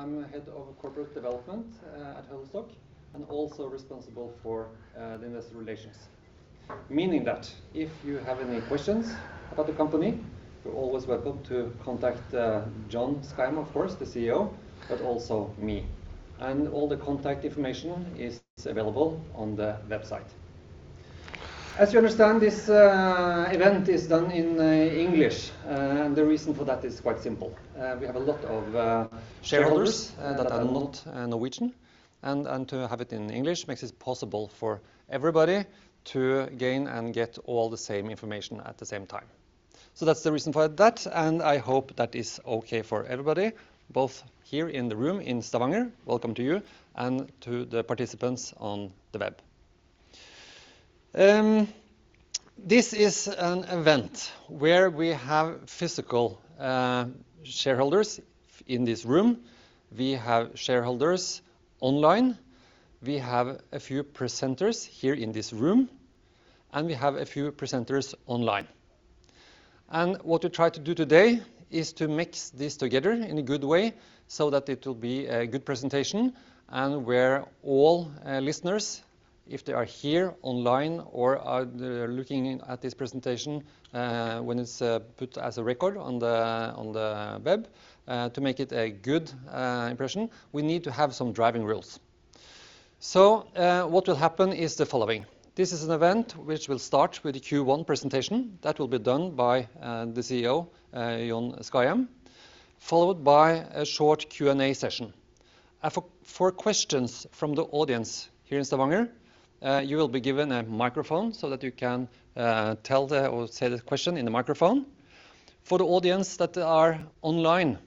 I'm the head of corporate development at Huddlestock and also responsible for the investor relations. Meaning that if you have any questions about the company, you're always welcome to contact John Skajem, of course, the CEO, but also me, and all the contact information is available on the website. As you understand, this event is done in English, and the reason for that is quite simple. we have a lot of shareholders- Shareholders. -that are not, Norwegian, and to have it in English makes it possible for everybody to gain and get all the same information at the same time. That's the reason for that, and I hope that is okay for everybody, both here in the room in Stavanger, welcome to you, and to the participants on the web. This is an event where we have physical, shareholders in this room. We have shareholders online, we have a few presenters here in this room, and we have a few presenters online. What we try to do today is to mix this together in a good way so that it will be a good presentation and where all listeners, if they are here online or are, they're looking at this presentation, when it's put as a record on the, on the web, to make it a good impression, we need to have some driving rules. What will happen is the following: this is an event which will start with the Q1 presentation. That will be done by the CEO John E. Skajem, followed by a short Q&A session. For questions from the audience here in Stavanger, you will be given a microphone so that you can say the question in the microphone. For the audience that are online,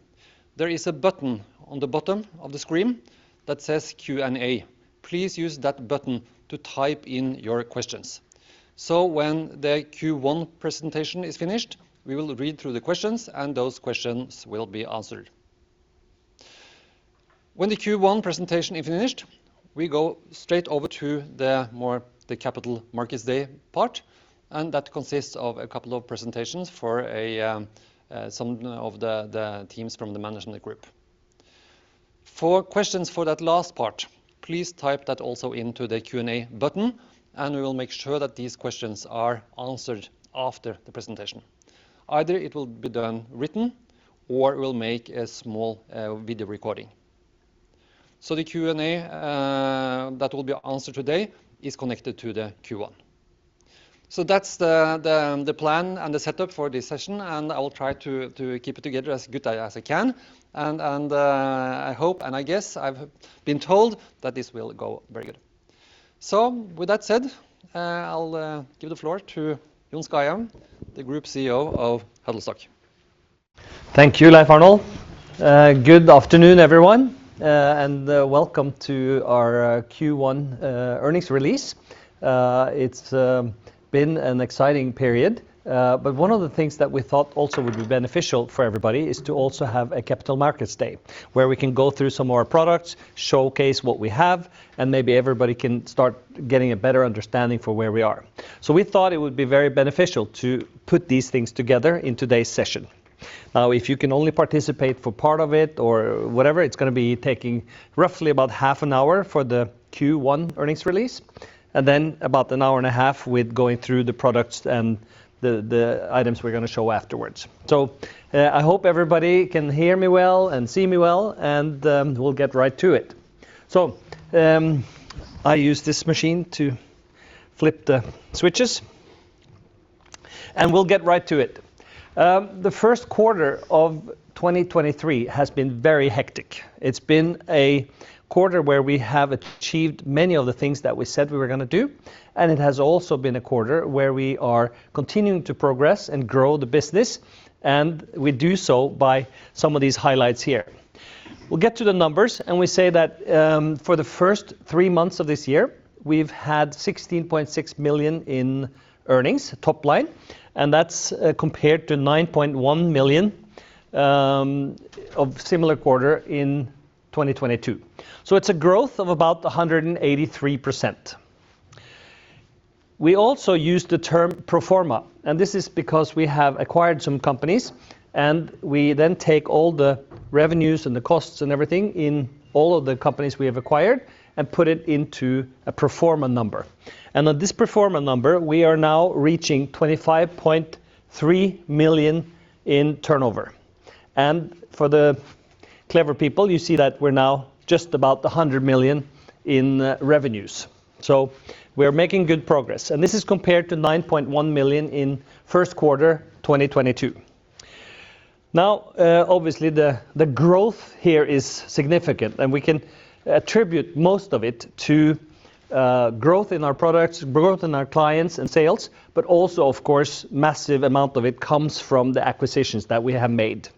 there is a button on the bottom of the screen that says Q&A. Please use that button to type in your questions. When the Q1 presentation is finished, we will read through the questions, and those questions will be answered. When the Q1 presentation is finished, we go straight over to the more the Capital Markets Day part, and that consists of a couple of presentations for a some of the teams from the management group. For questions for that last part, please type that also into the Q&A button, and we will make sure that these questions are answered after the presentation. Either it will be done written, or we'll make a small video recording. The Q&A that will be answered today is connected to the Q1. That's the plan and the setup for this session, and I will try to keep it together as good as I can, and I hope, and I guess, I've been told that this will go very good. With that said, I'll give the floor to John Skajem, the Group CEO of Huddlestock. Thank you, Leif Arnold. good afternoon, everyone, and welcome to our Q1 earnings release. It's been an exciting period, but one of the things that we thought also would be beneficial for everybody is to also have a Capital Markets Day, where we can go through some of our products, showcase what we have, and maybe everybody can start getting a better understanding for where we are. We thought it would be very beneficial to put these things together in today's session. Now, if you can only participate for part of it or whatever, it's gonna be taking roughly about half an hour for the Q1 earnings release, and then about an hour and a half with going through the products and the items we're gonna show afterwards. I hope everybody can hear me well and see me well, and we'll get right to it. I use this machine to flip the switches, and we'll get right to it. The first quarter of 2023 has been very hectic. It's been a quarter where we have achieved many of the things that we said we were gonna do, and it has also been a quarter where we are continuing to progress and grow the business, and we do so by some of these highlights here. We'll get to the numbers, and we say that for the first three months of this year, we've had 16.6 million in earnings, top line, and that's compared to 9.1 million of similar quarter in 2022. It's a growth of about 183%. We also use the term pro forma. This is because we have acquired some companies, and we then take all the revenues and the costs and everything in all of the companies we have acquired and put it into a pro forma number. On this pro forma number, we are now reaching 25.3 million in turnover. For the clever people, you see that we're now just about 100 million in revenues. We are making good progress, and this is compared to 9.1 million in first quarter 2022. Now, obviously, the growth here is significant, and we can attribute most of it to growth in our products, growth in our clients and sales, but also, of course, massive amount of it comes from the acquisitions that we have made.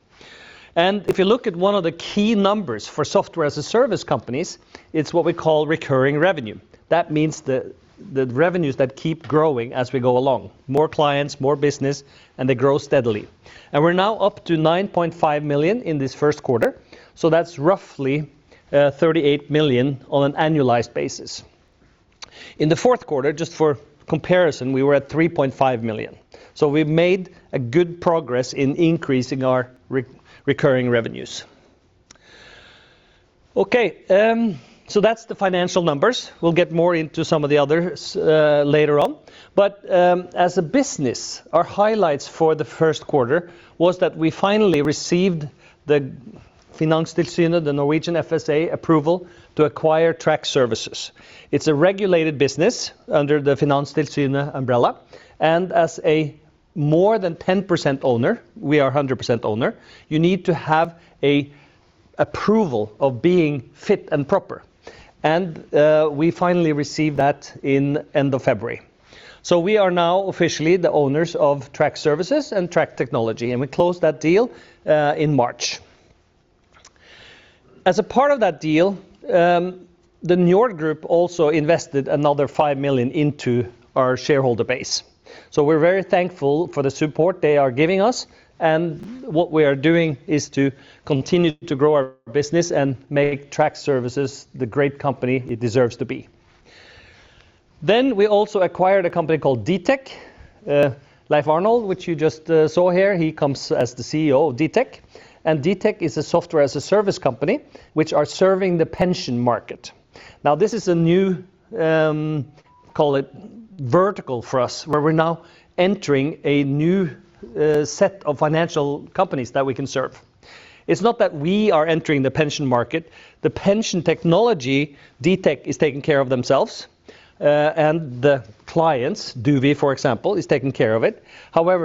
If you look at one of the key numbers for software as a service companies, it's what we call recurring revenue. That means the revenues that keep growing as we go along. More clients, more business, they grow steadily. We're now up to 9.5 million in this first quarter, that's roughly 38 million on an annualized basis. In the fourth quarter, just for comparison, we were at 3.5 million. We've made a good progress in increasing our recurring revenues. Okay, that's the financial numbers. We'll get more into some of the others later on. As a business, our highlights for the first quarter was that we finally received the Finanstilsynet, the Norwegian FSA approval to acquire TRAC Services. It's a regulated business under the Finanstilsynet umbrella, as a more than 10% owner, we are 100% owner, you need to have a approval of being fit and proper, we finally received that in end of February. We are now officially the owners of TRAC Services and Tracs Technology, we closed that deal in March. As a part of that deal, the Njord Group also invested another 5 million into our shareholder base. We're very thankful for the support they are giving us, what we are doing is to continue to grow our business and make Trac Services the great company it deserves to be. We also acquired a company called Dtech. Leif Arnold, which you just saw here, he comes as the CEO of Dtech is a software-as-a-service company, which are serving the pension market. This is a new, call it vertical for us, where we're now entering a new, set of financial companies that we can serve. It's not that we are entering the pension market. The pension technology, Dtech, is taking care of themselves, and the clients, Duvi, for example, is taking care of it.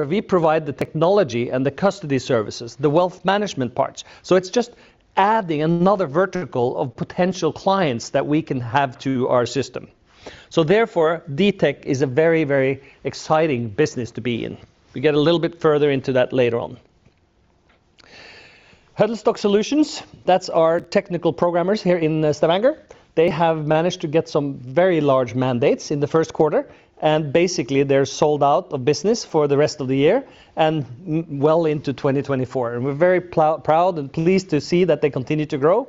We provide the technology and the custody services, the wealth management parts. It's just adding another vertical of potential clients that we can have to our system. Therefore, Dtech is a very, very exciting business to be in. We get a little bit further into that later on. Huddlestock Solutions, that's our technical programmers here in Stavanger. They have managed to get some very large mandates in the first quarter, basically, they're sold out of business for the rest of the year and well into 2024. We're very proud and pleased to see that they continue to grow,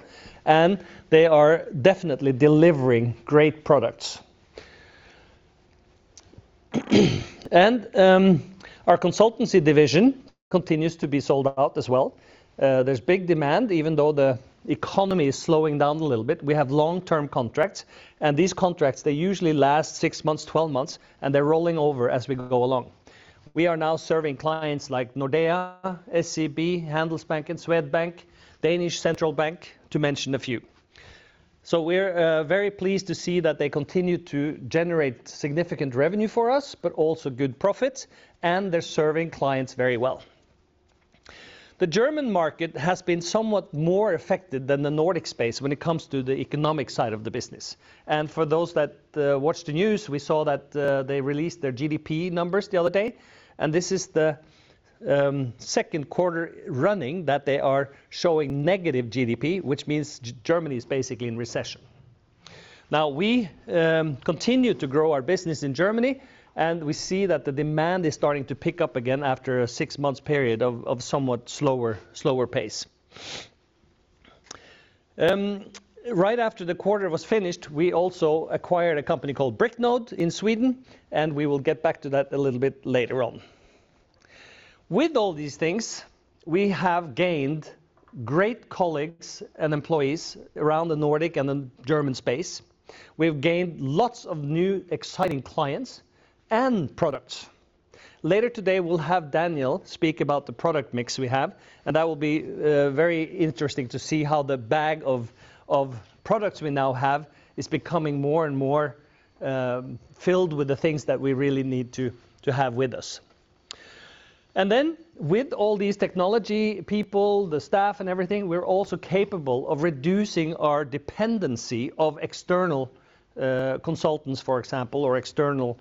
they are definitely delivering great products. Our consultancy division continues to be sold out as well. There's big demand, even though the economy is slowing down a little bit. We have long-term contracts, these contracts, they usually ,ast six months, 12 months, they're rolling over as we go along. We are now serving clients like Nordea, SEB, Handelsbanken, Swedbank, Danish Central Bank, to mention a few. We're very pleased to see that they continue to generate significant revenue for us, also good profits, they're serving clients very well. The German market has been somewhat more affected than the Nordic space when it comes to the economic side of the business. For those that watch the news, we saw that they released their GDP numbers the other day, and this is the second quarter running that they are showing negative GDP, which means Germany is basically in recession. We continue to grow our business in Germany, and we see that the demand is starting to pick up again after a six-month period of somewhat slower pace. Right after the quarter was finished, we also acquired a company called Bricknode in Sweden. We will get back to that a little bit later on. With all these things, we have gained great colleagues and employees around the Nordic and the German space. We've gained lots of new, exciting clients and products. Later today, we'll have Daniel speak about the product mix we have, that will be very interesting to see how the bag of products we now have is becoming more and more filled with the things that we really need to have with us. With all these technology people, the staff and everything, we're also capable of reducing our dependency of external consultants, for example, or external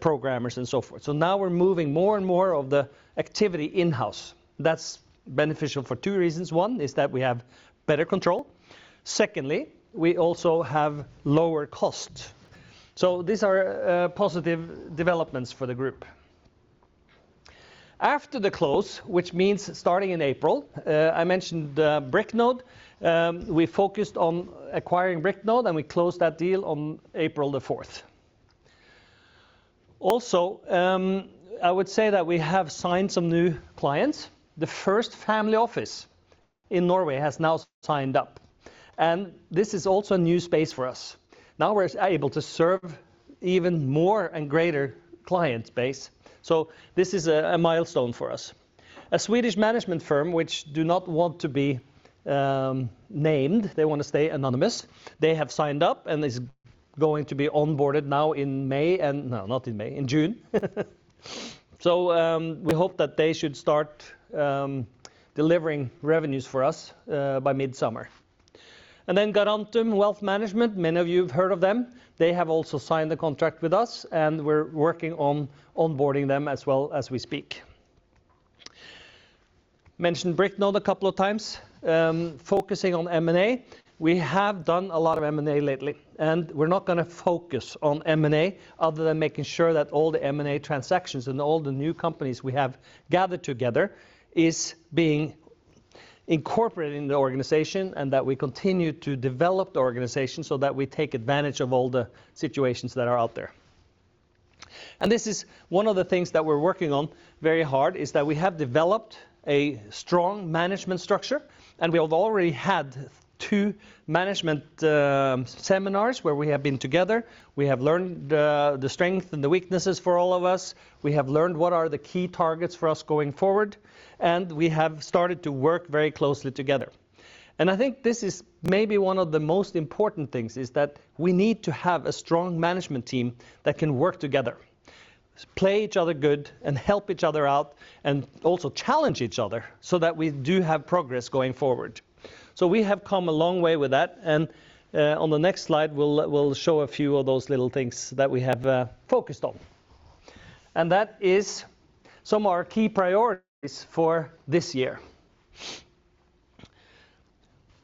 programmers and so forth. Now we're moving more and more of the activity in-house. That's beneficial for two reasons. one is that we have better control. Secondly, we also have lower cost. These are positive developments for the group. After the close, which means starting in April, I mentioned Bricknode. We focused on acquiring Bricknode, and we closed that deal on April the 4th. I would say that we have signed some new clients. The first family office in Norway has now signed up, and this is also a new space for us. Now, we're able to serve even more and greater client base, so this is a milestone for us. A Swedish management firm, which do not want to be named, they want to stay anonymous, they have signed up and is going to be onboarded now in May. No, not in May, in June. We hope that they should start delivering revenues for us by mid-summer. Garantum Wealth Management, many of you have heard of them. They have also signed a contract with us, and we're working on onboarding them as well as we speak. Mentioned Bricknode a couple of times. Focusing on M&A, we have done a lot of M&A lately. We're not gonna focus on M&A, other than making sure that all the M&A transactions and all the new companies we have gathered together is being incorporating the organization and that we continue to develop the organization so that we take advantage of all the situations that are out there. This is one of the things that we're working on very hard, is that we have developed a strong management structure. We have already had two management seminars where we have been together. We have learned the strength and the weaknesses for all of us. We have learned what are the key targets for us going forward. We have started to work very closely together. I think this is maybe one of the most important things, is that we need to have a strong management team that can work together, play each other good and help each other out, and also challenge each other so that we do have progress going forward. We have come a long way with that, and on the next slide, we'll show a few of those little things that we have focused on. That is some of our key priorities for this year.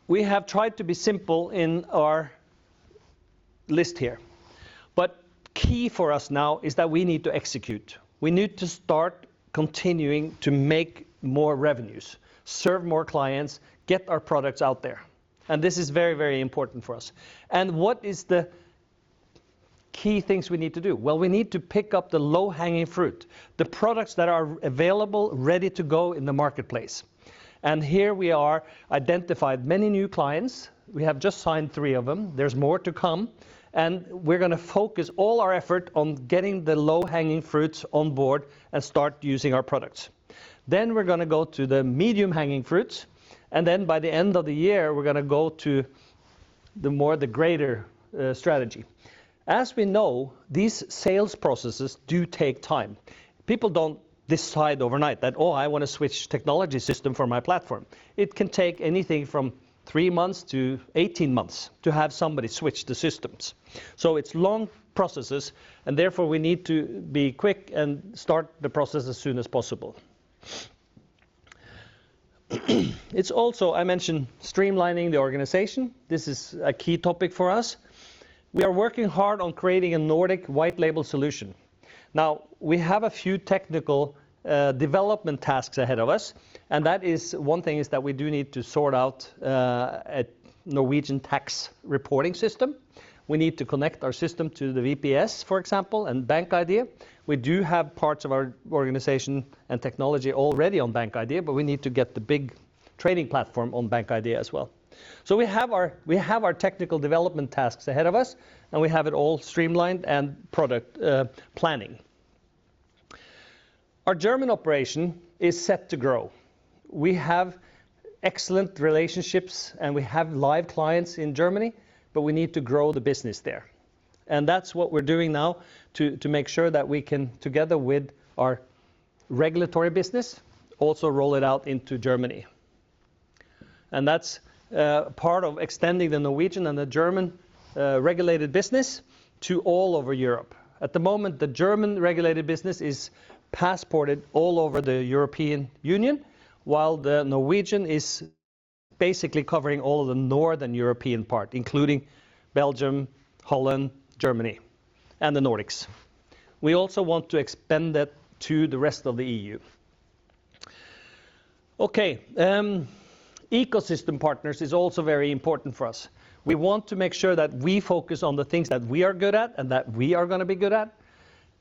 We have tried to be simple in our list here, but key for us now is that we need to execute. We need to start continuing to make more revenues, serve more clients, get our products out there, and this is very, very important for us. What is the key things we need to do? Well, we need to pick up the low-hanging fruit, the products that are available, ready to go in the marketplace. Here we are identified many new clients. We have just signed thre of them. There's more to come, and we're gonna focus all our effort on getting the low-hanging fruits on board and start using our products. We're gonna go to the medium-hanging fruits, and then by the end of the year, we're gonna go to the more, the greater, strategy. As we know, these sales processes do take time. People don't decide overnight that, "Oh, I want to switch technology system for my platform." It can take anything from three months-18 months to have somebody switch the systems. It's long processes, and therefore, we need to be quick and start the process as soon as possible. It's also, I mentioned streamlining the organization. This is a key topic for us. We are working hard on creating a Nordic white label solution. We have a few technical development tasks ahead of us, and that is, one thing is that we do need to sort out a Norwegian tax reporting system. We need to connect our system to the VPS, for example, and BankID. We do have parts of our organization and technology already on BankID, but we need to get the big trading platform on BankID as well. We have our technical development tasks ahead of us, and we have it all streamlined and product planning. Our German operation is set to grow. We have excellent relationships, and we have live clients in Germany, but we need to grow the business there. That's what we're doing now to make sure that we can, together with our regulatory business, also roll it out into Germany. That's part of extending the Norwegian and the German regulated business to all over Europe. At the moment, the German-regulated business is passported all over the European Union, while the Norwegian is basically covering all the Northern European part, including Belgium, Holland, Germany, and the Nordics. We also want to expand that to the rest of the EU. Ecosystem partners is also very important for us. We want to make sure that we focus on the things that we are good at and that we are gonna be good at,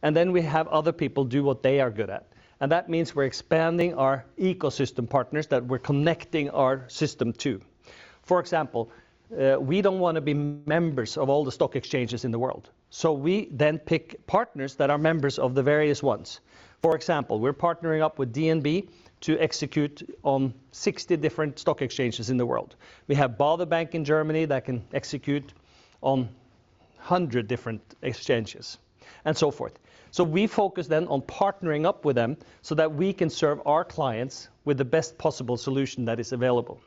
and then we have other people do what they are good at. That means we're expanding our ecosystem partners that we're connecting our system to. For example, we don't want to be members of all the stock exchanges in the world, we then pick partners that are members of the various ones. For example, we're partnering up with DNB to execute on 60 different stock exchanges in the world. We have Baader Bank in Germany that can execute on 100 different exchanges and so forth. We focus then on partnering up with them so that we can serve our clients with the best possible solution that is available.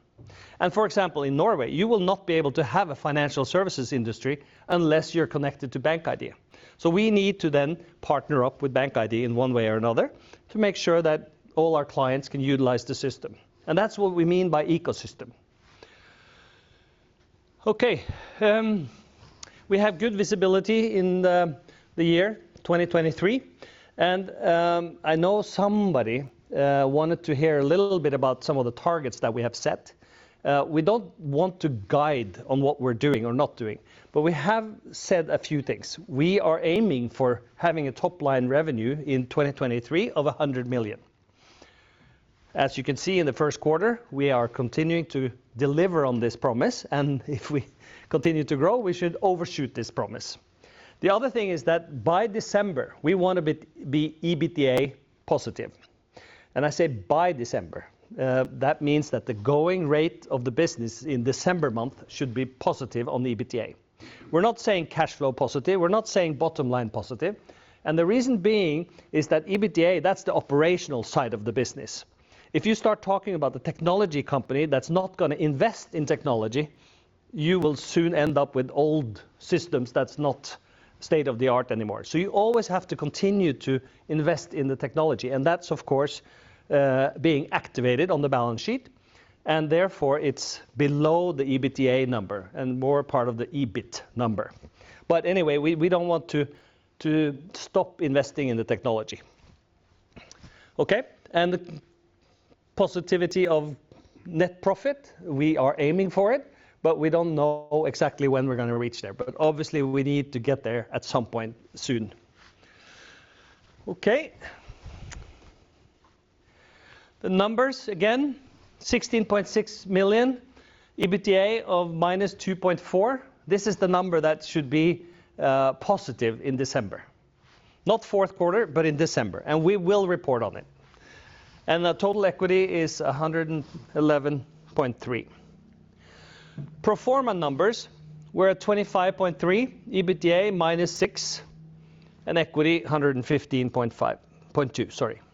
For example, in Norway, you will not be able to have a financial services industry unless you're connected to BankID. We need to then partner up with BankID in one way or another to make sure that all our clients can utilize the system, and that's what we mean by ecosystem. Okay, we have good visibility in the year 2023. I know somebody wanted to hear a little bit about some of the targets that we have set. We don't want to guide on what we're doing or not doing, but we have said a few things. We are aiming for having a top-line revenue in 2023 of 100 million. As you can see in the first quarter, we are continuing to deliver on this promise, and if we continue to grow, we should overshoot this promise. The other thing is that by December, we want to be EBITDA positive, and I say by December. That means that the going rate of the business in December month should be positive on the EBITDA. We're not saying cash flow positive, we're not saying bottom line positive. The reason being is that EBITDA, that's the operational side of the business. If you start talking about the technology company that's not gonna invest in technology, you will soon end up with old systems that's not state-of-the-art anymore. You always have to continue to invest in the technology, and that's, of course, being activated on the balance sheet, and therefore, it's below the EBITDA number and more part of the EBIT number. Anyway, we don't want to stop investing in the technology. Okay, the positivity of net profit, we are aiming for it, but we don't know exactly when we're gonna reach there. Obviously, we need to get there at some point soon. Okay. The numbers, again, 16.6 million, EBITDA of -2.4. This is the number that should be positive in December. Not fourth quarter, but in December. We will report on it. The total equity is 111.3. Pro forma numbers, we're at 25.3, EBITDA -6, and equity 115.2. Sorry. I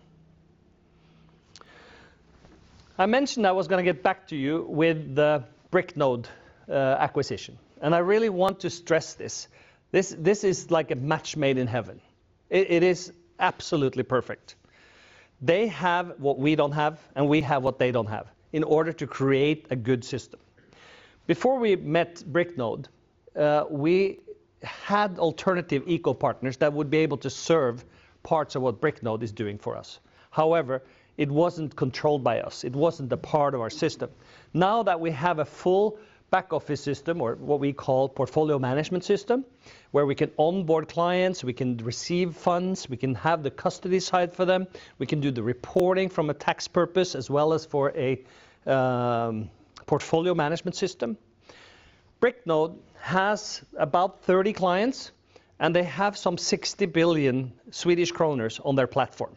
mentioned I was gonna get back to you with the Bricknode acquisition, and I really want to stress this. This is like a match made in heaven. It is absolutely perfect. They have what we don't have, and we have what they don't have in order to create a good system. Before we met Bricknode, we had alternative eco partners that would be able to serve parts of what Bricknode is doing for us. However, it wasn't controlled by us. It wasn't a part of our system. Now that we have a full back-office system, or what we call portfolio management system, where we can onboard clients, we can receive funds, we can have the custody side for them, we can do the reporting from a tax purpose, as well as for a portfolio management system. Bricknode has about 30 clients, and they have some 60 billion Swedish kronor on their platform.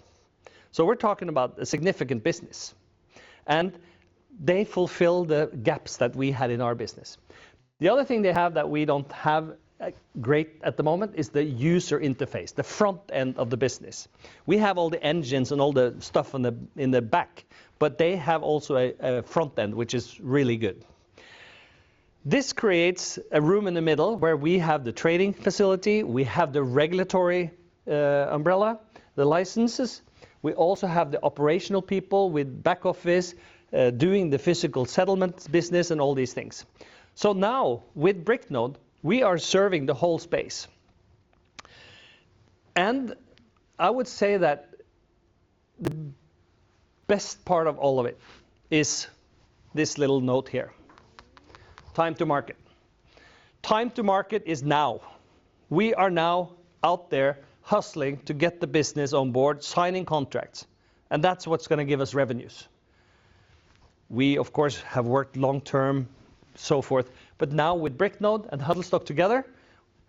We're talking about a significant business, and they fulfill the gaps that we had in our business. The other thing they have that we don't have great at the moment is the user interface, the front end of the business. We have all the engines and all the stuff on the, in the back, but they have also a front end, which is really good. This creates a room in the middle where we have the trading facility, we have the regulatory umbrella, the licenses. We also have the operational people with back office, doing the physical settlement business and all these things. Now, with Bricknode, we are serving the whole space. I would say that the best part of all of it is this little note here, time to market. Time to market is now. We are now out there hustling to get the business on board, signing contracts, and that's what's gonna give us revenues. We, of course, have worked long term, so forth, but now with Bricknode and Huddlestock together,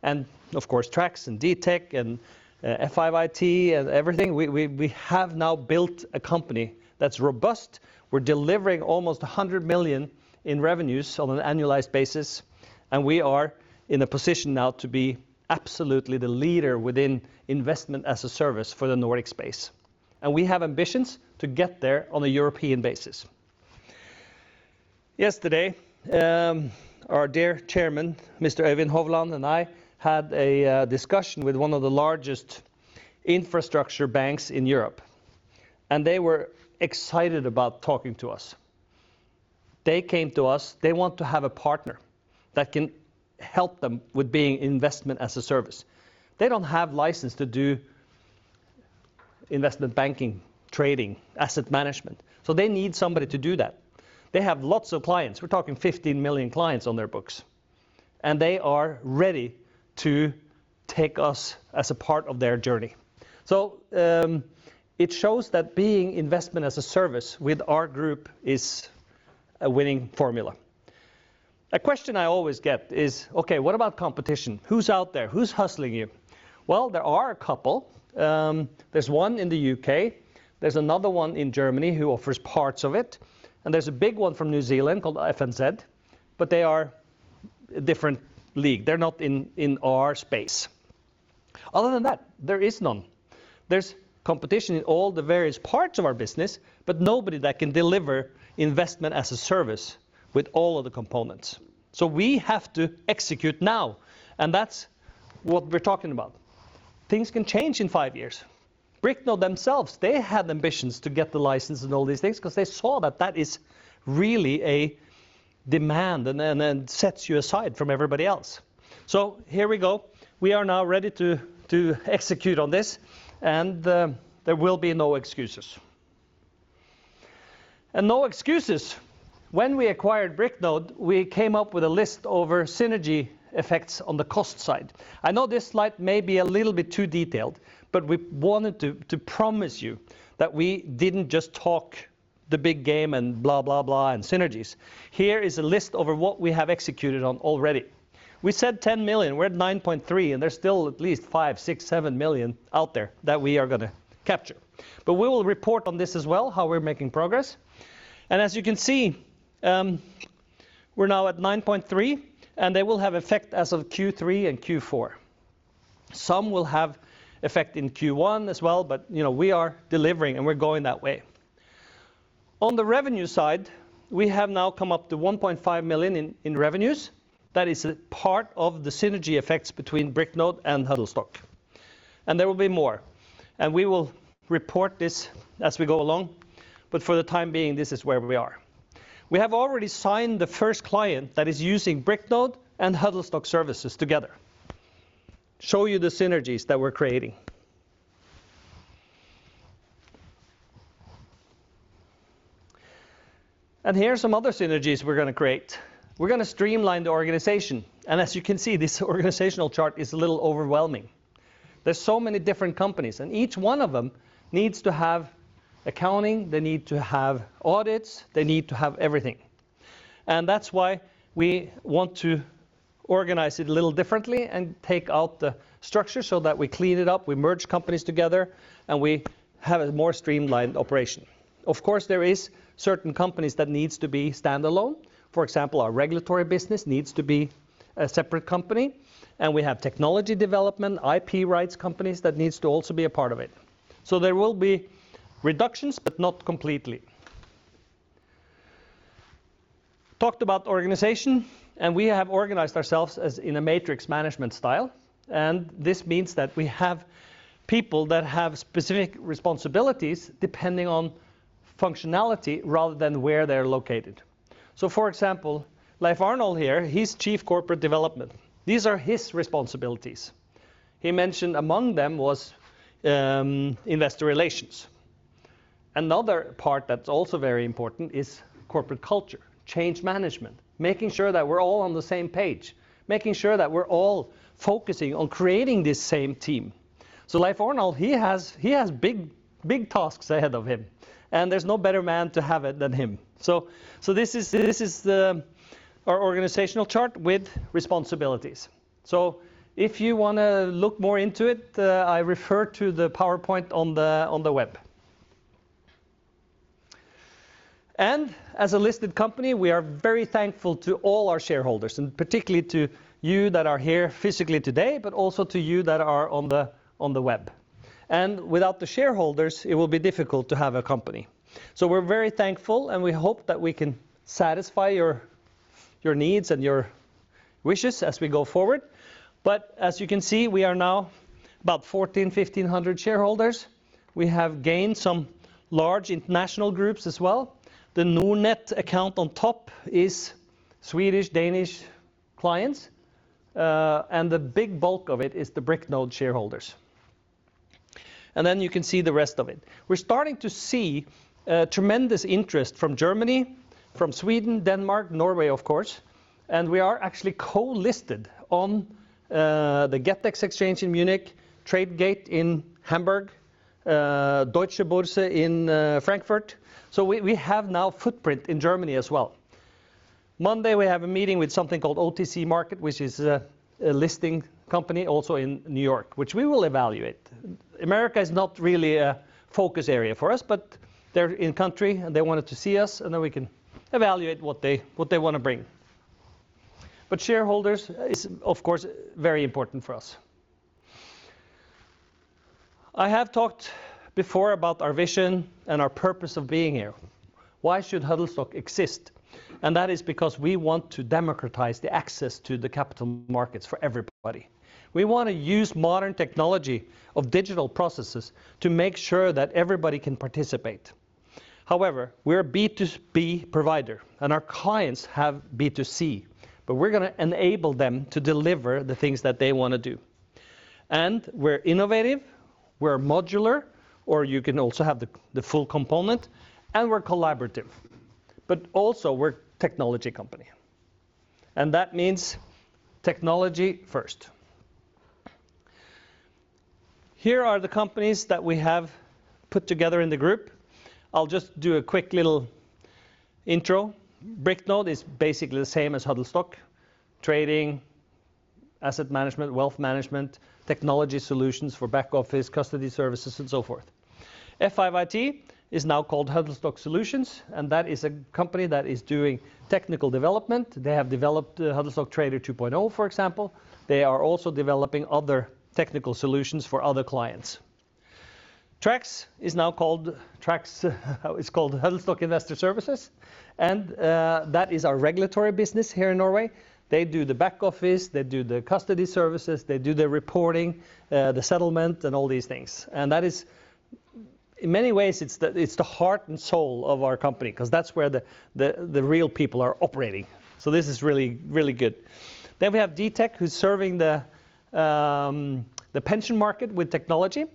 and of course, Tracs and Dtech and F5 IT and everything, we have now built a company that's robust. We're delivering almost 100 million in revenues on an annualized basis. We are in a position now to be absolutely the leader within Investment-as-a-Service for the Nordic space. We have ambitions to get there on a European basis. Yesterday, our dear Chairman, Mr. Øyvind Hovland, and I had a discussion with one of the largest infrastructure banks in Europe. They were excited about talking to us. They came to us. They want to have a partner that can help them with being Investment-as-a-Service. They don't have license to do investment banking, trading, asset management. They need somebody to do that. They have lots of clients. We're talking 15 million clients on their books. They are ready to take us as a part of their journey. It shows that being Investment-as-a-Service with our group is a winning formula. A question I always get is, "Okay, what about competition? Who's out there? Who's hustling you?" There are a couple. There's one in the U.K., there's another one in Germany who offers parts of it, and there's a big one from New Zealand called FNZ, but they are a different league. They're not in our space. Other than that, there is none. There's competition in all the various parts of our business, but nobody that can deliver Investment-as-a-Service with all of the components. We have to execute now, and that's what we're talking about. Things can change in five years. Bricknode themselves, they had ambitions to get the license and all these things because they saw that that is really a demand and sets you aside from everybody else. Here we go. We are now ready to execute on this, and there will be no excuses. No excuses, when we acquired Bricknode, we came up with a list over synergy effects on the cost side. I know this slide may be a little bit too detailed, but we wanted to promise you that we didn't just talk the big game and blah, blah, and synergies. Here is a list of what we have executed on already. We said 10 million, we're at 9.3 million, and there's still at least 5 million-7 million out there that we are gonna capture. We will report on this as well, how we're making progress. As you can see, we're now at 9.3, and they will have effect as of Q3 and Q4. Some will have effect in Q1 as well, but, you know, we are delivering, and we're going that way. On the revenue side, we have now come up to 1.5 million in revenues. That is a part of the synergy effects between Bricknode and Huddlestock, and there will be more. We will report this as we go along, but for the time being, this is where we are. We have already signed the first client that is using Bricknode and Huddlestock services together. Show you the synergies that we're creating. Here are some other synergies we're gonna create. We're gonna streamline the organization, and as you can see, this organizational chart is a little overwhelming. There's so many different companies, and each one of them needs to have accounting, they need to have audits, they need to have everything. That's why we want to organize it a little differently and take out the structure so that we clean it up, we merge companies together, and we have a more streamlined operation. Of course, there is certain companies that needs to be standalone. For example, our regulatory business needs to be a separate company, and we have technology development, I.P. rights companies that needs to also be a part of it. There will be reductions, but not completely. Talked about organization. We have organized ourselves as in a matrix management style. This means that we have people that have specific responsibilities depending on functionality rather than where they're located. For example, Leif Arnold here, he's Chief Corporate Development. These are his responsibilities. He mentioned among them was investor relations. Another part that's also very important is corporate culture, change management, making sure that we're all on the same page, making sure that we're all focusing on creating this same team. Leif Arnold, he has big tasks ahead of him, and there's no better man to have it than him. This is our organizational chart with responsibilities. If you wanna look more into it, I refer to the PowerPoint on the web. As a listed company, we are very thankful to all our shareholders, and particularly to you that are here physically today, but also to you that are on the, on the web. Without the shareholders, it will be difficult to have a company. We're very thankful, and we hope that we can satisfy your needs and your wishes as we go forward. As you can see, we are now about 1,400-1,500 shareholders. We have gained some large international groups as well. The Nordnet account on top is Swedish, Danish clients, and the big bulk of it is the Bricknode shareholders. Then you can see the rest of it. We're starting to see tremendous interest from Germany, from Sweden, Denmark, Norway, of course. We are actually co-listed on the Gettex Exchange in Munich, Tradegate in Hamburg, Deutsche Börse in Frankfurt. We have now footprint in Germany as well. Monday, we have a meeting with something called OTC Markets Group, which is a listing company also in New York, which we will evaluate. America is not really a focus area for us, but they're in country, and they wanted to see us, then we can evaluate what they wanna bring. Shareholders is, of course, very important for us. I have talked before about our vision and our purpose of being here. Why should Huddlestock exist? That is because we want to democratize the access to the capital markets for everybody. We wanna use modern technology of digital processes to make sure that everybody can participate. However, we're a B2B provider, and our clients have B2C, but we're gonna enable them to deliver the things that they wanna do. We're innovative, we're modular, or you can also have the full component, and we're collaborative, but also we're technology company. That means technology first. Here are the companies that we have put together in the group. I'll just do a quick little intro. Bricknode is basically the same as Huddlestock, trading, asset management, wealth management, technology solutions for back office, custody services, and so forth. F5 IT is now called Huddlestock Solutions, and that is a company that is doing technical development. They have developed Huddlestock Trader 2.0, for example. They are also developing other technical solutions for other clients. Tracs is now called Huddlestock Investor Services, that is our regulatory business here in Norway. They do the back office, they do the custody services, they do the reporting, the settlement, and all these things. That is, in many ways, it's the heart and soul of our company 'cause that's where the real people are operating. This is really, really good. We have Dtech, who's serving the pension market with technology, we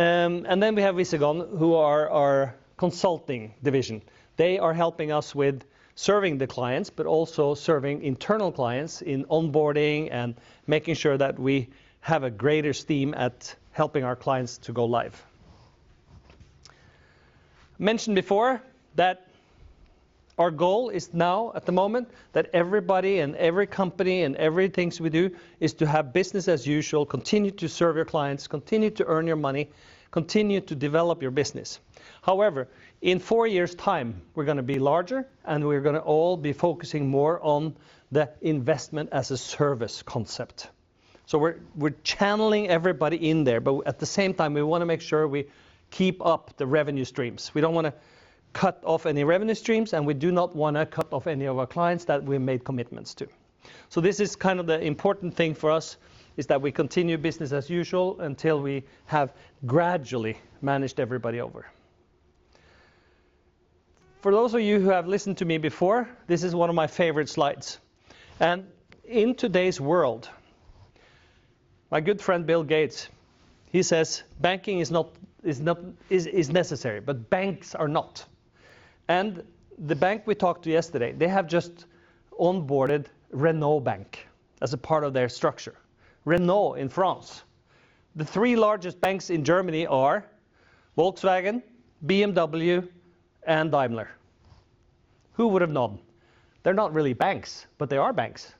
have Visigon, who are our consulting division. They are helping us with serving the clients, but also serving internal clients in onboarding and making sure that we have a greater steam at helping our clients to go live. Mentioned before that our goal is now, at the moment, that everybody and every company and every things we do, is to have business as usual, continue to serve your clients, continue to earn your money, continue to develop your business. However, in four years' time, we're gonna be larger, and we're gonna all be focusing more on the Investment-as-a-Service concept. We're channeling everybody in there, but at the same time, we wanna make sure we keep up the revenue streams. We don't wanna cut off any revenue streams, we do not wanna cut off any of our clients that we made commitments to. This is kind of the important thing for us, is that we continue business as usual until we have gradually managed everybody over. For those of you who have listened to me before, this is one of my favorite slides. In today's world, my good friend, Bill Gates, he says, "Banking is not, is necessary, but banks are not." The bank we talked to yesterday, they have just onboarded Renault Bank as a part of their structure. Renault in France. The three largest banks in Germany are Volkswagen, BMW, and Daimler. Who would have known? They're not really banks, but they are banks.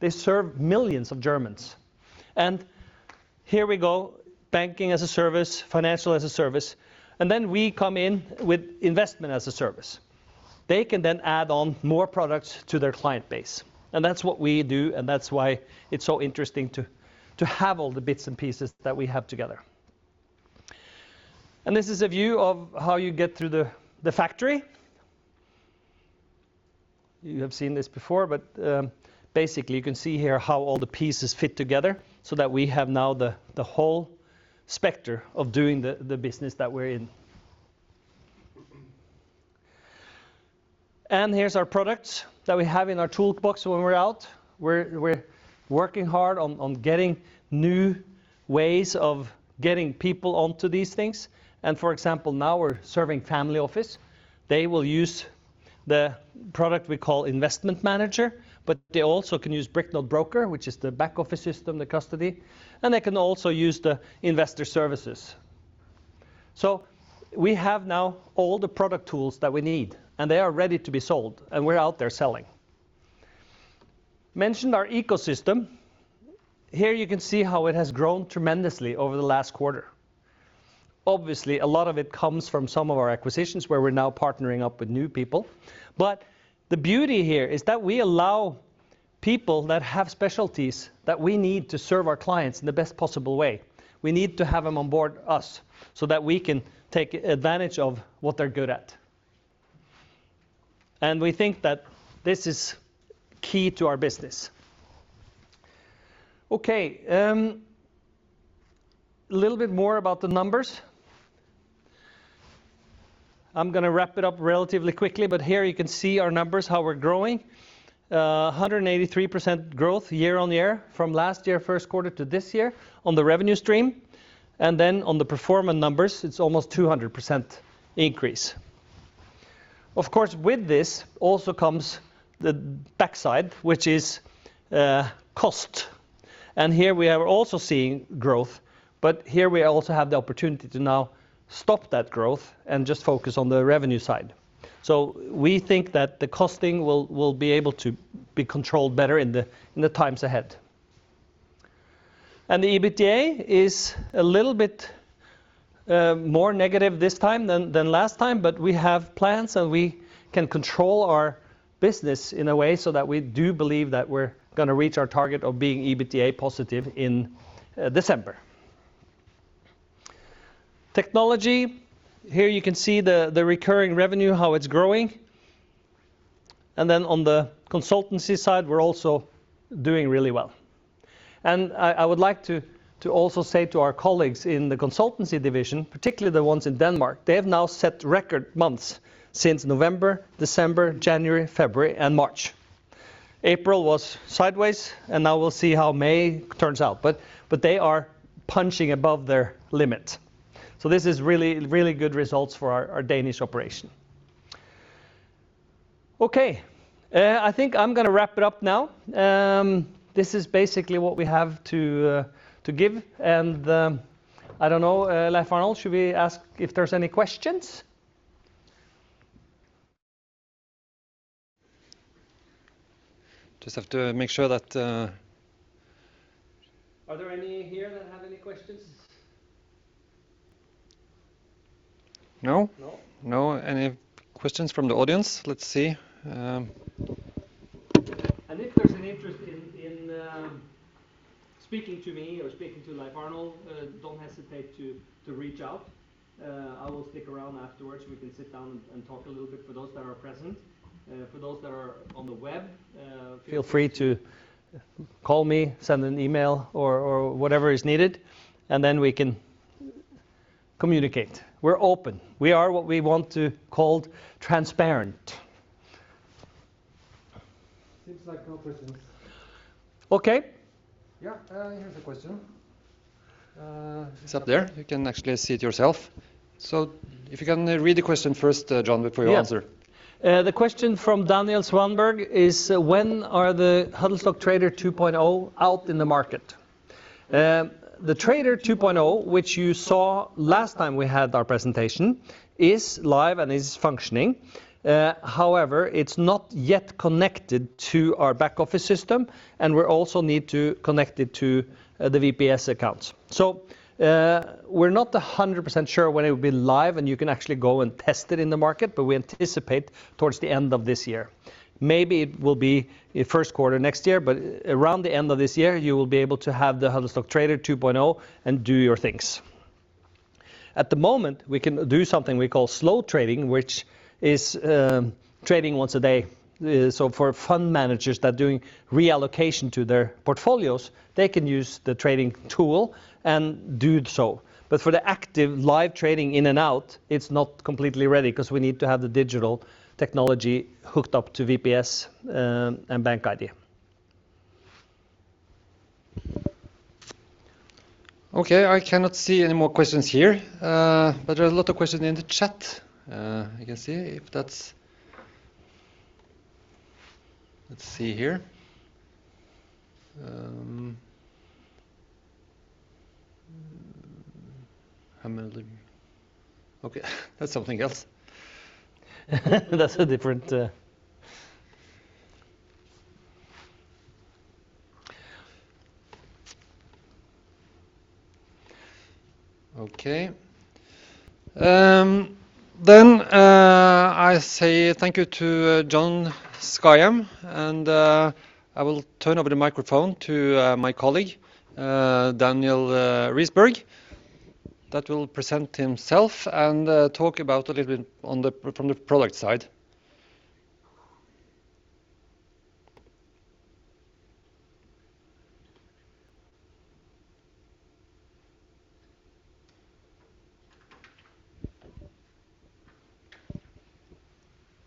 They serve millions of Germans. Here we go, Banking-as-a-Service, financial-as-a-service, and then we come in with Investment-as-a-Service. They can then add on more products to their client base, and that's what we do, and that's why it's so interesting to have all the bits and pieces that we have together. This is a view of how you get through the factory. You have seen this before, but, basically, you can see here how all the pieces fit together so that we have now the whole specter of doing the business that we're in. Here's our products that we have in our toolbox when we're out. We're working hard on getting new ways of getting people onto these things, and for example, now we're serving family office. They will use the product we call Investment Manager, but they also can use Bricknode Broker, which is the back office system, the custody, and they can also use the Investor Services. We have now all the product tools that we need, and they are ready to be sold, and we're out there selling. Mentioned our ecosystem. Here you can see how it has grown tremendously over the last quarter. Obviously, a lot of it comes from some of our acquisitions, where we're now partnering up with new people. The beauty here is that we allow people that have specialties that we need to serve our clients in the best possible way. We need to have them on board us, so that we can take advantage of what they're good at. We think that this is key to our business. Okay, a little bit more about the numbers. I'm gonna wrap it up relatively quickly, here you can see our numbers, how we're growing. 183% growth year-over-year from last year, first quarter to this year on the revenue stream, and then on the performance numbers, it's almost 200% increase. Of course, with this also comes the backside, which is cost. Here we are also seeing growth, but here we also have the opportunity to now stop that growth and just focus on the revenue side. We think that the costing will be able to be controlled better in the times ahead. The EBITDA is a little bit more negative this time than last time, but we have plans, and we can control our business in a way so that we do believe that we're gonna reach our target of being EBITDA positive in December. Technology, here you can see the recurring revenue, how it's growing, and then on the consultancy side, we're also doing really well. I would like to also say to our colleagues in the consultancy division, particularly the ones in Denmark, they have now set record months since November, December, January, February, and March. April was sideways, and now we'll see how May turns out, but they are punching above their limit. This is really good results for our Danish operation. Okay, I think I'm gonna wrap it up now. This is basically what we have to give, and I don't know, Leif Arnold, should we ask if there's any questions? Just have to make sure that. Are there any here that have any questions? No. No. No. Any questions from the audience? Let's see. If there's an interest in speaking to me or speaking to Leif Arnold, don't hesitate to reach out. I will stick around afterwards. We can sit down and talk a little bit for those that are present. For those that are on the web, feel free to call me, send an email or whatever is needed. Then we can communicate. We're open. We are what we want to called transparent. Seems like no questions. Okay. Yeah, here's a question. It's up there. You can actually see it yourself. If you can read the question first, John, before you answer. Yeah. The question from Daniel Swanberg is: When are the Huddlestock Trader 2.0 out in the market? The Trader 2.0, which you saw last time we had our presentation, is live and is functioning. However, it's not yet connected to our back office system, and we're also need to connect it to the VPS accounts. We're not 100% sure when it will be live, and you can actually go and test it in the market, but we anticipate towards the end of this year. Maybe it will be in first quarter next year, but around the end of this year, you will be able to have the Huddlestock Trader 2.0 and do your things. At the moment, we can do something we call slow trading, which is trading once a day. For fund managers that are doing reallocation to their portfolios, they can use the trading tool and do so. For the active live trading in and out, it's not completely ready, 'cause we need to have the digital technology hooked up to VPS and BankID. Okay, I cannot see any more questions here, but there are a lot of questions in the chat. Let's see here. How many? Okay, that's something else. Okay. I say thank you to John E. Skajem, and I will turn over the microphone to my colleague, Daniel Risberg, that will present himself and talk about a little bit on the, from the product side.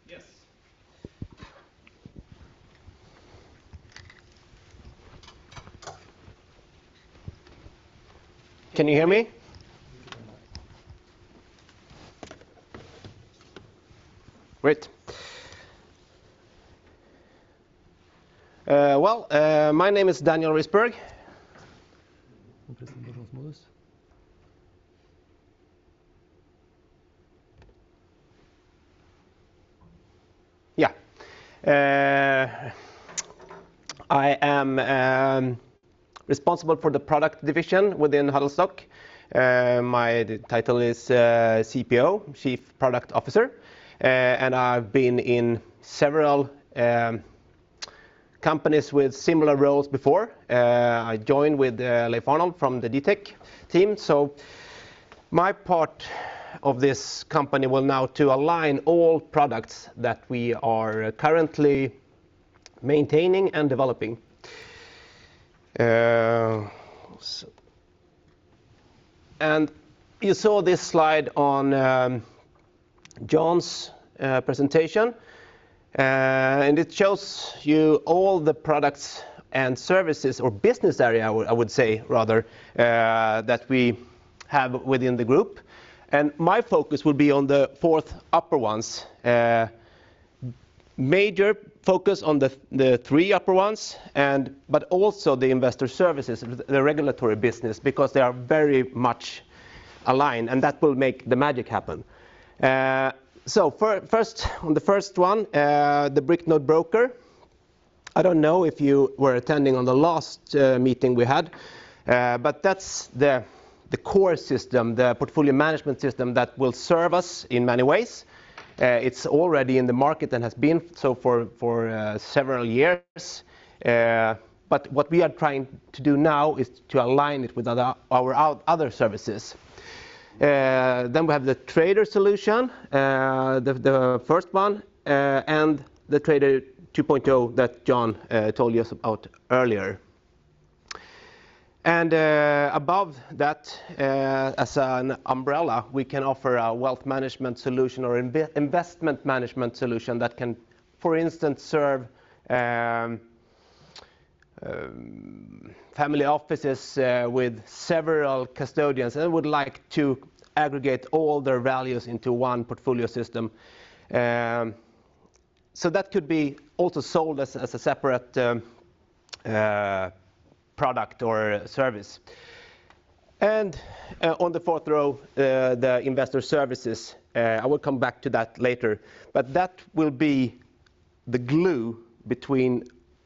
Yes. Can you hear me? Great. well, my name is Daniel Risberg. Presentation modus. I am responsible for the product division within Huddlestock. My title is CPO, Chief Product Officer, and I've been in several companies with similar roles before. I joined with Leif Arnold from the Dtech team. My part of this company will now to align all products that we are currently maintaining and developing. You saw this slide on John's presentation, and it shows you all the products and services, or business area, I would say rather, that we have within the group. My focus will be on the fourth upper ones. Major focus on the three upper ones, and but also the investor services, the regulatory business, because they are very much aligned, and that will make the magic happen. First, on the first one, the Bricknode Broker, I don't know if you were attending on the last meeting we had, but that's the core system, the portfolio management system that will serve us in many ways. It's already in the market and has been so for several years, but what we are trying to do now is to align it with other services. We have the Trader solution, the first one, and the Trader 2.0 that John told us about earlier. Above that, as an umbrella, we can offer a wealth management solution or investment management solution that can, for instance, serve family offices with several custodians, and would like to aggregate all their values into one portfolio system. That could be also sold as a separate product or service. On the fourth row, the Investor Services, I will come back to that later, but that will be the glue between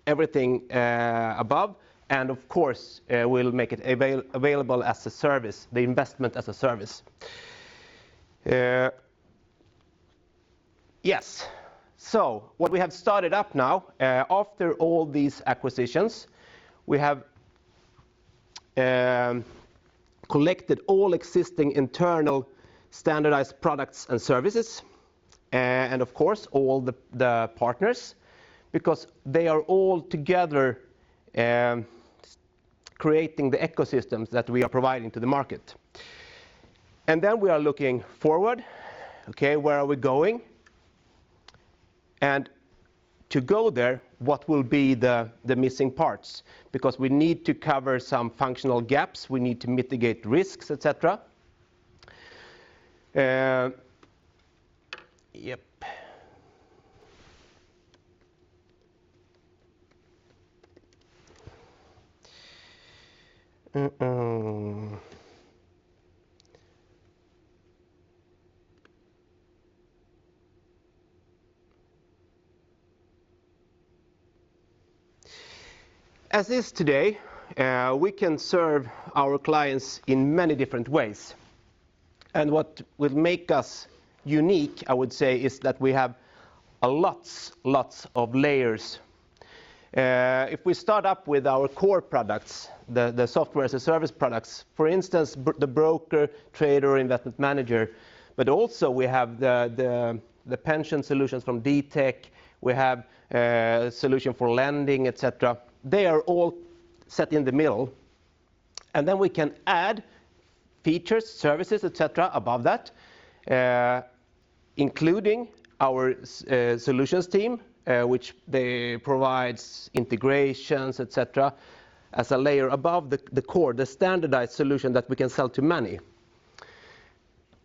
everything above, and of course, we'll make it available as a service, the Investment-as-a-Service. Yes. What we have started up now, after all these acquisitions, we have collected all existing internal standardized products and services, and of course, all the partners, because they are all together creating the ecosystems that we are providing to the market. Then we are looking forward, okay, where are we going? To go there, what will be the missing parts? Because we need to cover some functional gaps, we need to mitigate risks, et cetera. Yep. As is today, we can serve our clients in many different ways. What would make us unique, I would say, is that we have a lots of layers. If we start up with our core products, the software as a service products, for instance, the broker, trader, Investment Manager, but also we have the pension solutions from Dtech, we have a solution for lending, et cetera. They are all set in the middle. Then we can add features, services, et cetera, above that, including our solutions team, which they provides integrations, et cetera, as a layer above the core, the standardized solution that we can sell to many.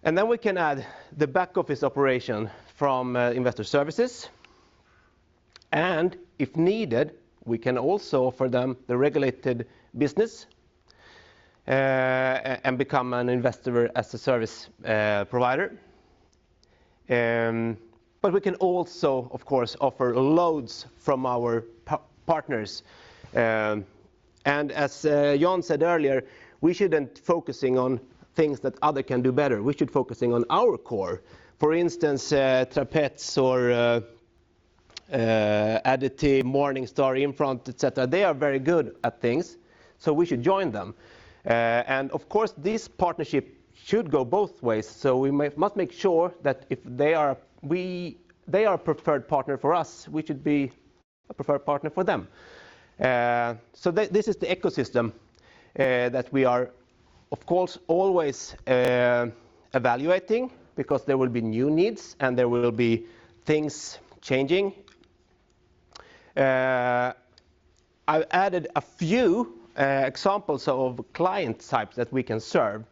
Then we can add the back office operation from investor services. if needed, we can also offer them the regulated business, and become an investor as a service provider. we can also, of course, offer loads from our partners. as John said earlier, we shouldn't focusing on things that other can do better. We should focusing on our core. For instance, Trapets or Additiv, Morningstar, Infront, et cetera, they are very good at things, we should join them. of course, this partnership should go both ways, we must make sure that if they are a preferred partner for us, we should be a preferred partner for them. this is the ecosystem that we are of course always evaluating, because there will be new needs, and there will be things changing. I've added a few examples of client types that we can serve.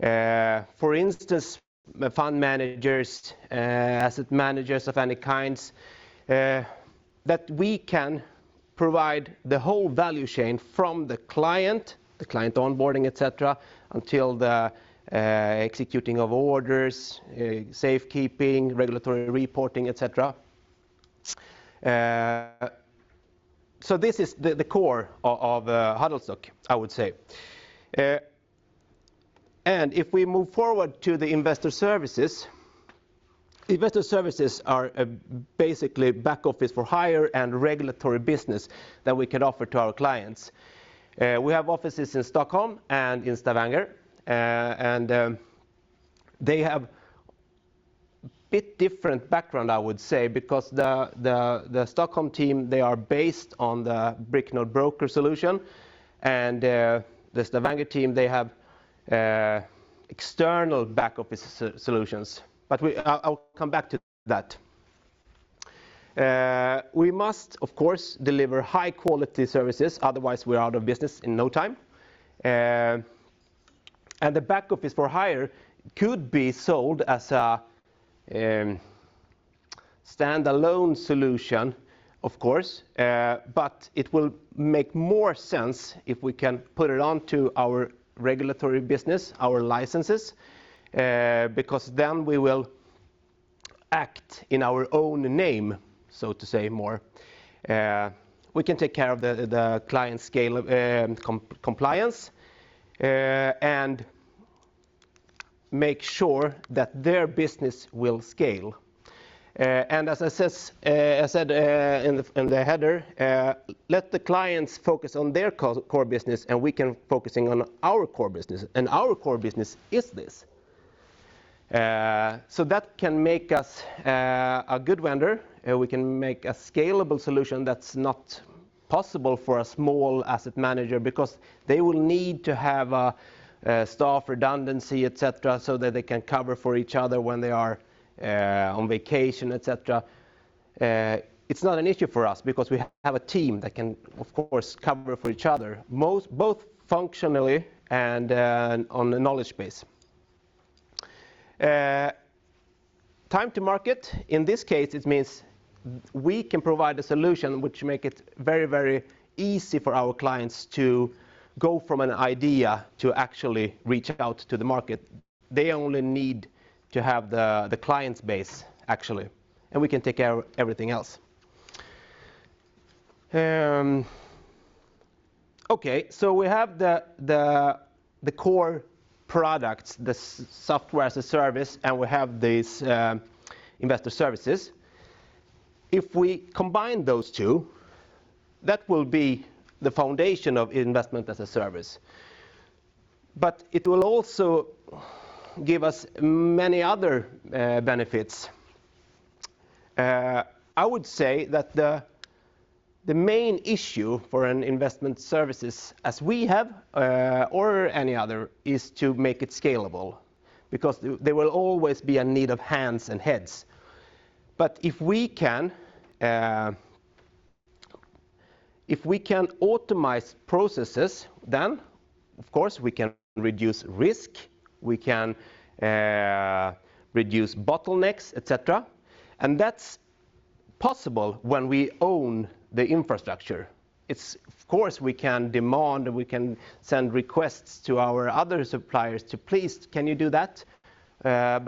For instance, the fund managers, asset managers of any kinds, that we can provide the whole value chain from the client, the client onboarding, et cetera, until the executing of orders, safekeeping, regulatory reporting, et cetera. This is the core of Huddlestock, I would say. If we move forward to the investor services, investor services are basically back office for hire and regulatory business that we can offer to our clients. We have offices in Stockholm and in Stavanger, they have bit different background, I would say, because the Stockholm team, they are based on the Bricknode Broker solution, the Stavanger team, they have external back office solutions. I'll come back to that. We must, of course, deliver high-quality services, otherwise we're out of business in no time. The back office for hire could be sold as a stand-alone solution, of course, but it will make more sense if we can put it onto our regulatory business, our licenses, because then we will act in our own name, so to say more. We can take care of the client scale, compliance, and make sure that their business will scale. As I says, I said in the header, let the clients focus on their core business, and we can focusing on our core business, and our core business is this. So that can make us a good vendor, we can make a scalable solution that's not possible for a small asset manager because they will need to have a staff redundancy, et cetera, so that they can cover for each other when they are on vacation, et cetera. It's not an issue for us because we have a team that can, of course, cover for each other, both functionally and on a knowledge base. Time to market, in this case, it means we can provide a solution which make it very, very easy for our clients to go from an idea to actually reach out to the market. They only need to have the client's base, actually, and we can take care of everything else. Okay, so we have the core products, software as a service, and we have these Investor Services. If we combine those two, that will be the foundation of Investment-as-a-Service. It will also give us many other benefits. I would say that the main issue for an Investment Services as we have or any other, is to make it scalable, because there will always be a need of hands and heads. If we can optimize processes, then, of course, we can reduce risk, we can reduce bottlenecks, et cetera. That's possible when we own the infrastructure. It's, of course, we can demand, and we can send requests to our other suppliers to, "Please, can you do that?"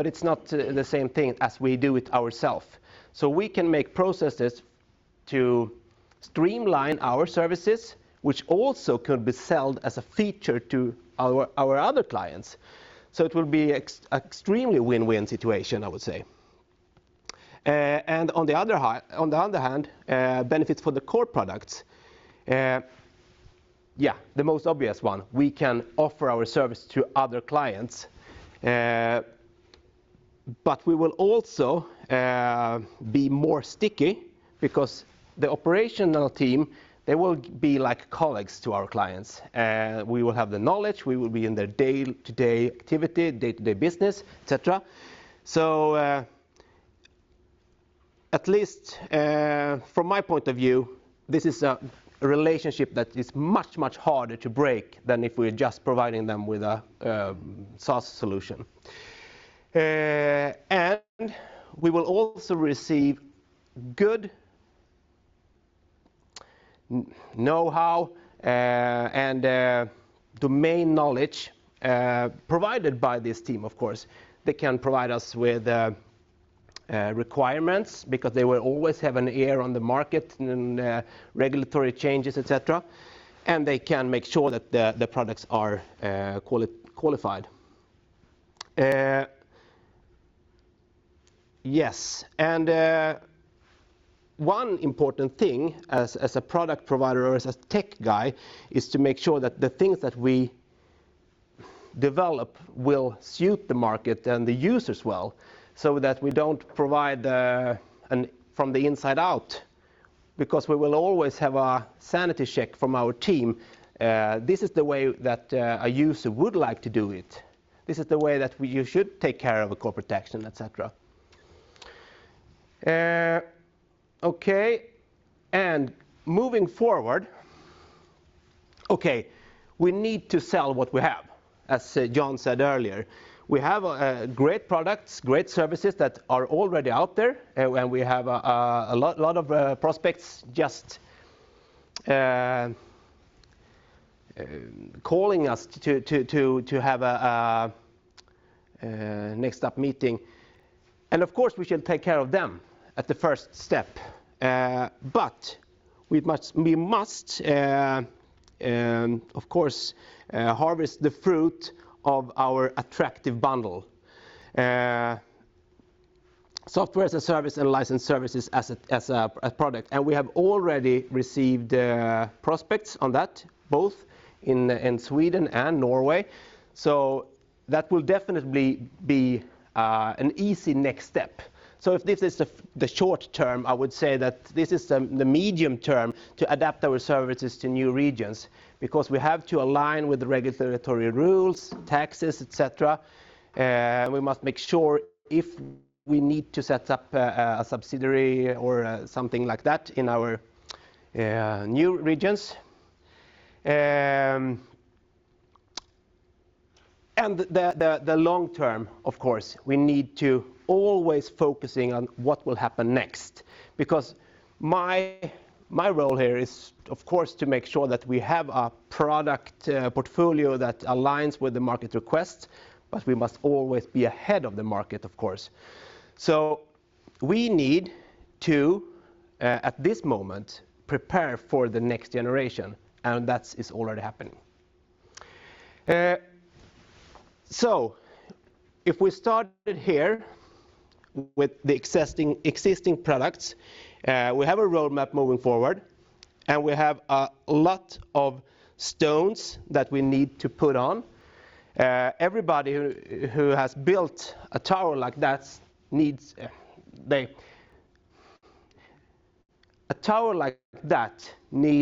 It's not the same thing as we do it ourself. We can make processes to streamline our services, which also could be sold as a feature to our other clients. It will be extremely win-win situation, I would say. On the other hand, benefits for the core products, yeah, the most obvious one, we can offer our service to other clients. But we will also be more sticky because the operational team, they will be like colleagues to our clients. We will have the knowledge, we will be in their day-to-day activity, day-to-day business, et cetera. At least, from my point of view, this is a relationship that is much harder to break than if we're just providing them with a SaaS solution. We will also receive good know-how and domain knowledge provided by this team, of course. They can provide us with requirements because they will always have an ear on the market and regulatory changes, et cetera, and they can make sure that the products are qualified. Yes, one important thing as a product provider or as a tech guy, is to make sure that the things that we develop will suit the market and the users well, so that we don't provide the from the inside out, because we will always have a sanity check from our team. This is the way that a user would like to do it. This is the way that we should take care of a core protection, et cetera. Okay, moving forward, okay, we need to sell what we have, as John said earlier. We have great products, great services that are already out there, and we have a lot of prospects just calling us to have a next step meeting. Of course, we should take care of them at the first step. We must, of course, harvest the fruit of our attractive bundle. Software as a service and licensed services as a product. We have already received prospects on that, both in Sweden and Norway. That will definitely be an easy next step. If this is the short term, I would say that this is the medium term to adapt our services to new regions, because we have to align with the regulatory rules, taxes, et cetera, and we must make sure if we need to set up a subsidiary or something like that in our new regions. The long term, of course, we need to always focusing on what will happen next, because my role here is, of course, to make sure that we have a product portfolio that aligns with the market request, but we must always be ahead of the market, of course. We need to at this moment, prepare for the next generation, and that is already happening. If we started here with the existing products, we have a roadmap moving forward, and we have a lot of stones that we need to put on. Everybody who has built a tower like that need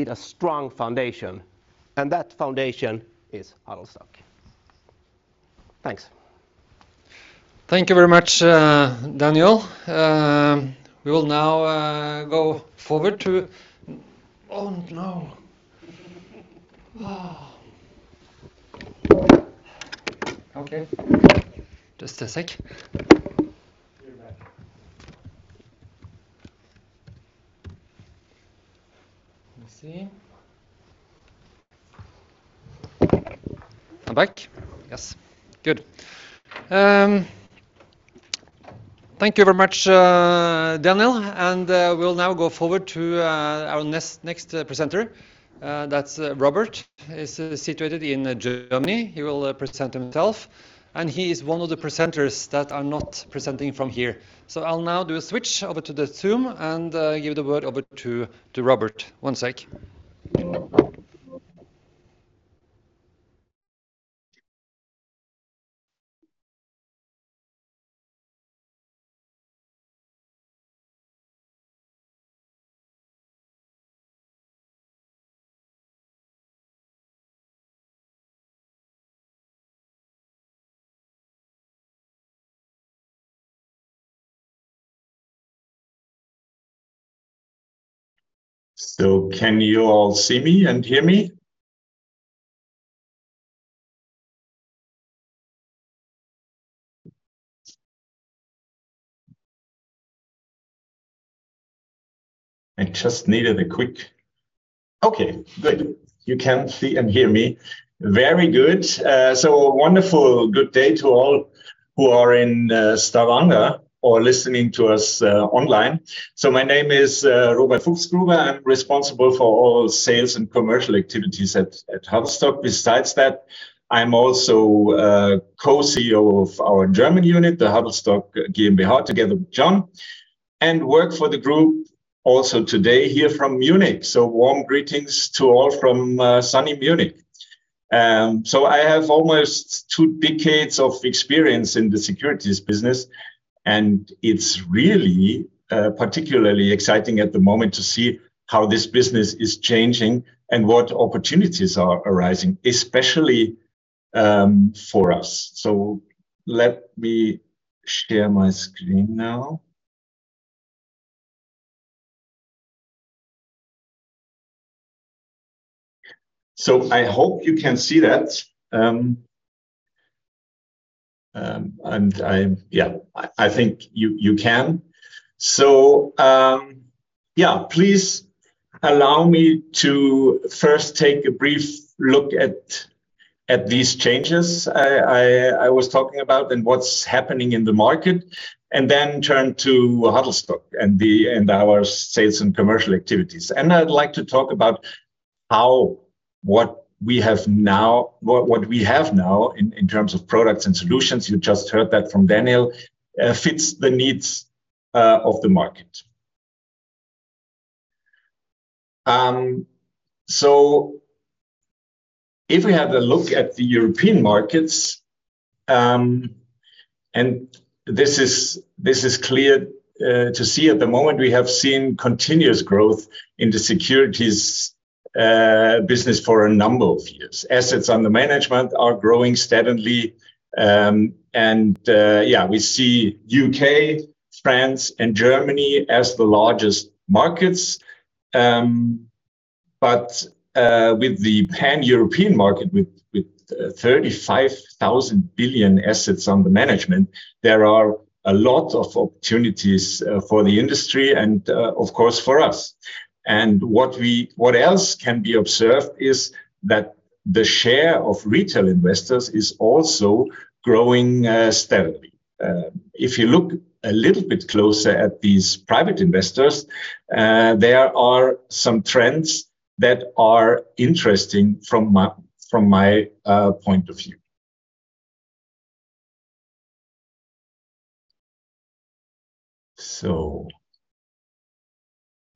a strong foundation, and that foundation is Huddlestock. Thanks. Thank you very much, Daniel. We will now go forward to... Oh, no! Okay. Just a sec. You're back. Let me see. I'm back? Yes. Good. Thank you very much, Daniel, and we'll now go forward to our next presenter. That's Robert, is situated in Germany. He will present himself, and he is one of the presenters that are not presenting from here. I'll now do a switch over to the Zoom and give the word over to Robert. One sec. Can you all see me and hear me? I just needed a quick. Okay, good. You can see and hear me. Very good. Wonderful, good day to all who are in Stavanger or listening to us online. My name is Robert Fuchsgruber. I'm responsible for all sales and commercial activities at Huddlestock. Besides that, I'm also co-CEO of our German unit, the Huddlestock GmbH, together with John, and work for the group also today here from Munich. Warm greetings to all from sunny Munich. I have almost two decades of experience in the securities business, and it's really particularly exciting at the moment to see how this business is changing and what opportunities are arising, especially for us. Let me share my screen now. I hope you can see that. Yeah, I think you can. Yeah, please allow me to first take a brief look at these changes I was talking about, and what's happening in the market, and then turn to Huddlestock and our sales and commercial activities. I'd like to talk about how what we have now, what we have now in terms of products and solutions, you just heard that from Daniel, fits the needs of the market. If we have a look at the European markets, this is clear to see at the moment, we have seen continuous growth in the securities business for a number of years. Assets under management are growing steadily. Yeah, we see UK, France, and Germany as the largest markets. With the Pan-European market, with 35,000 billion assets under management, there are a lot of opportunities for the industry and, of course, for us. What else can be observed is that the share of retail investors is also growing steadily. If you look a little bit closer at these private investors, there are some trends that are interesting from my point of view.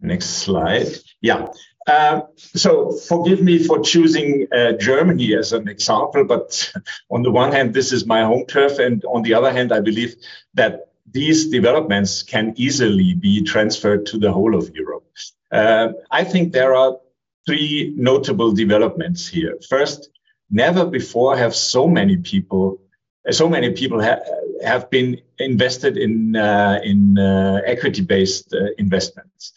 Next slide. Yeah. Forgive me for choosing Germany as an example, but on the one hand, this is my home turf, and on the other hand, I believe that these developments can easily be transferred to the whole of Europe. I think there are three notable developments here. First, never before have so many people have been invested in equity-based investments.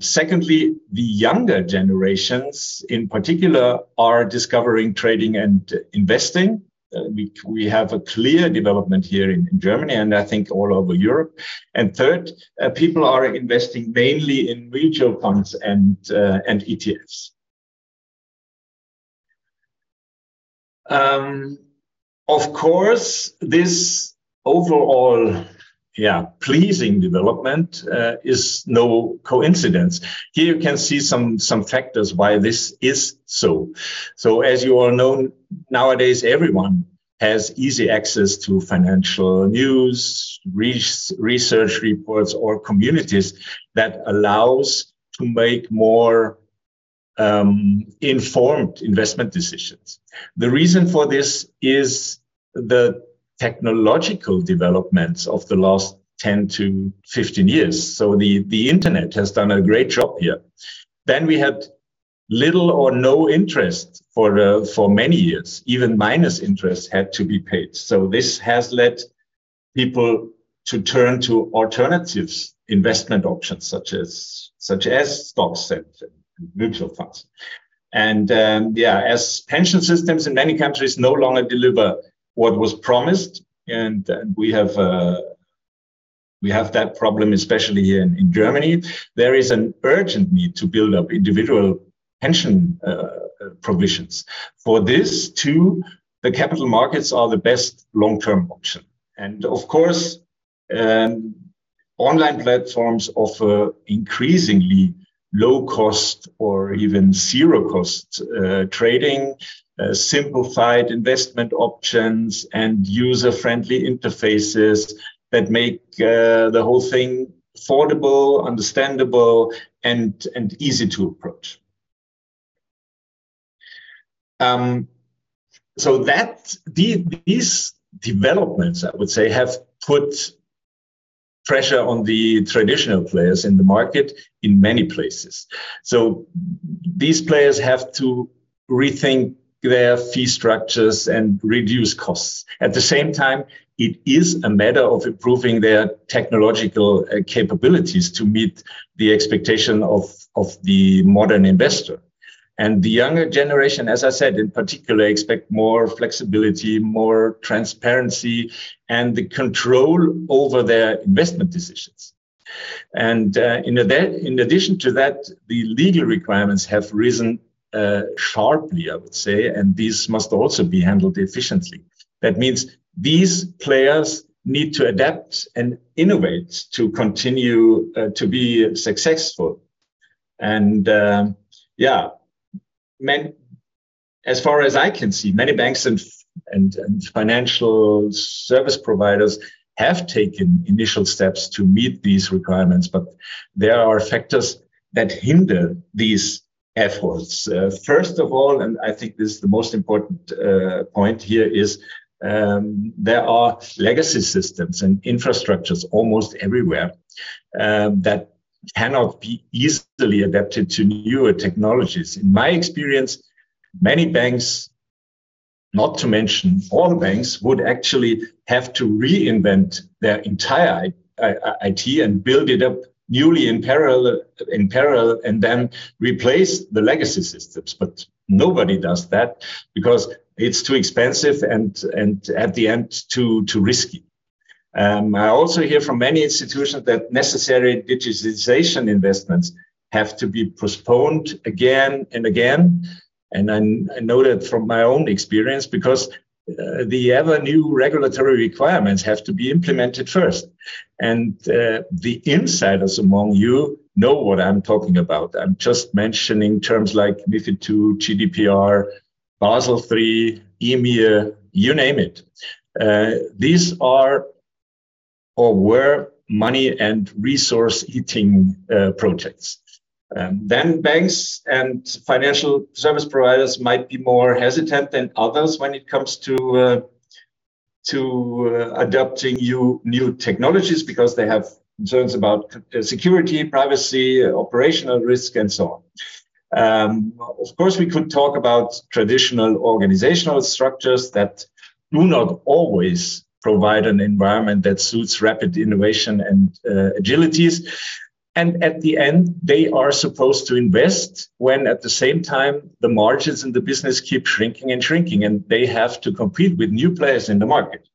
Secondly, the younger generations, in particular, are discovering, trading, and investing. We have a clear development here in Germany, and I think all over Europe. Third, people are investing mainly in mutual funds and ETFs. Of course, this overall, yeah, pleasing development is no coincidence. Here you can see some factors why this is so. As you all know, nowadays, everyone has easy access to financial news, research reports, or communities that allows to make more informed investment decisions. The reason for this is the technological developments of the last 10 to 15 years. The internet has done a great job here. We had little or no interest for many years. Even minus interest had to be paid. This has led people to turn to alternatives investment options, such as stocks and mutual funds. Yeah, as pension systems in many countries no longer deliver what was promised, and we have that problem, especially here in Germany, there is an urgent need to build up individual pension provisions. For this, too, the capital markets are the best long-term option, and of course, online platforms offer increasingly low cost or even zero cost trading, simplified investment options, and user-friendly interfaces that make the whole thing affordable, understandable, and easy to approach. That these developments, I would say, have put pressure on the traditional players in the market in many places. These players have to rethink their fee structures and reduce costs. At the same time, it is a matter of improving their technological capabilities to meet the expectation of the modern investor. The younger generation, as I said, in particular, expect more flexibility, more transparency, and the control over their investment decisions. In addition to that, the legal requirements have risen sharply, I would say, and these must also be handled efficiently. That means these players need to adapt and innovate to continue to be successful. Many as far as I can see, many banks and financial service providers have taken initial steps to meet these requirements, but there are factors that hinder these efforts. First of all, and I think this is the most important point here, is there are legacy systems and infrastructures almost everywhere that cannot be easily adapted to newer technologies. In my experience, many banks, not to mention all banks, would actually have to reinvent their entire IT and build it up newly in parallel, and then replace the legacy systems. But nobody does that because it's too expensive and at the end, too risky. I also hear from many institutions that necessary digitization investments have to be postponed again and again. I know that from my own experience, because the ever-new regulatory requirements have to be implemented first. The insiders among you know what I'm talking about. I'm just mentioning terms like MiFID II, GDPR, Basel III, EMIR, you name it. These are or were money and resource-eating projects. Banks and financial service providers might be more hesitant than others when it comes to adapting new technologies because they have concerns about security, privacy, operational risk, and so on. Of course, we could talk about traditional organizational structures that do not always provide an environment that suits rapid innovation and agilities. At the end, they are supposed to invest when, at the same time, the margins in the business keep shrinking and shrinking, and they have to compete with new players in the market.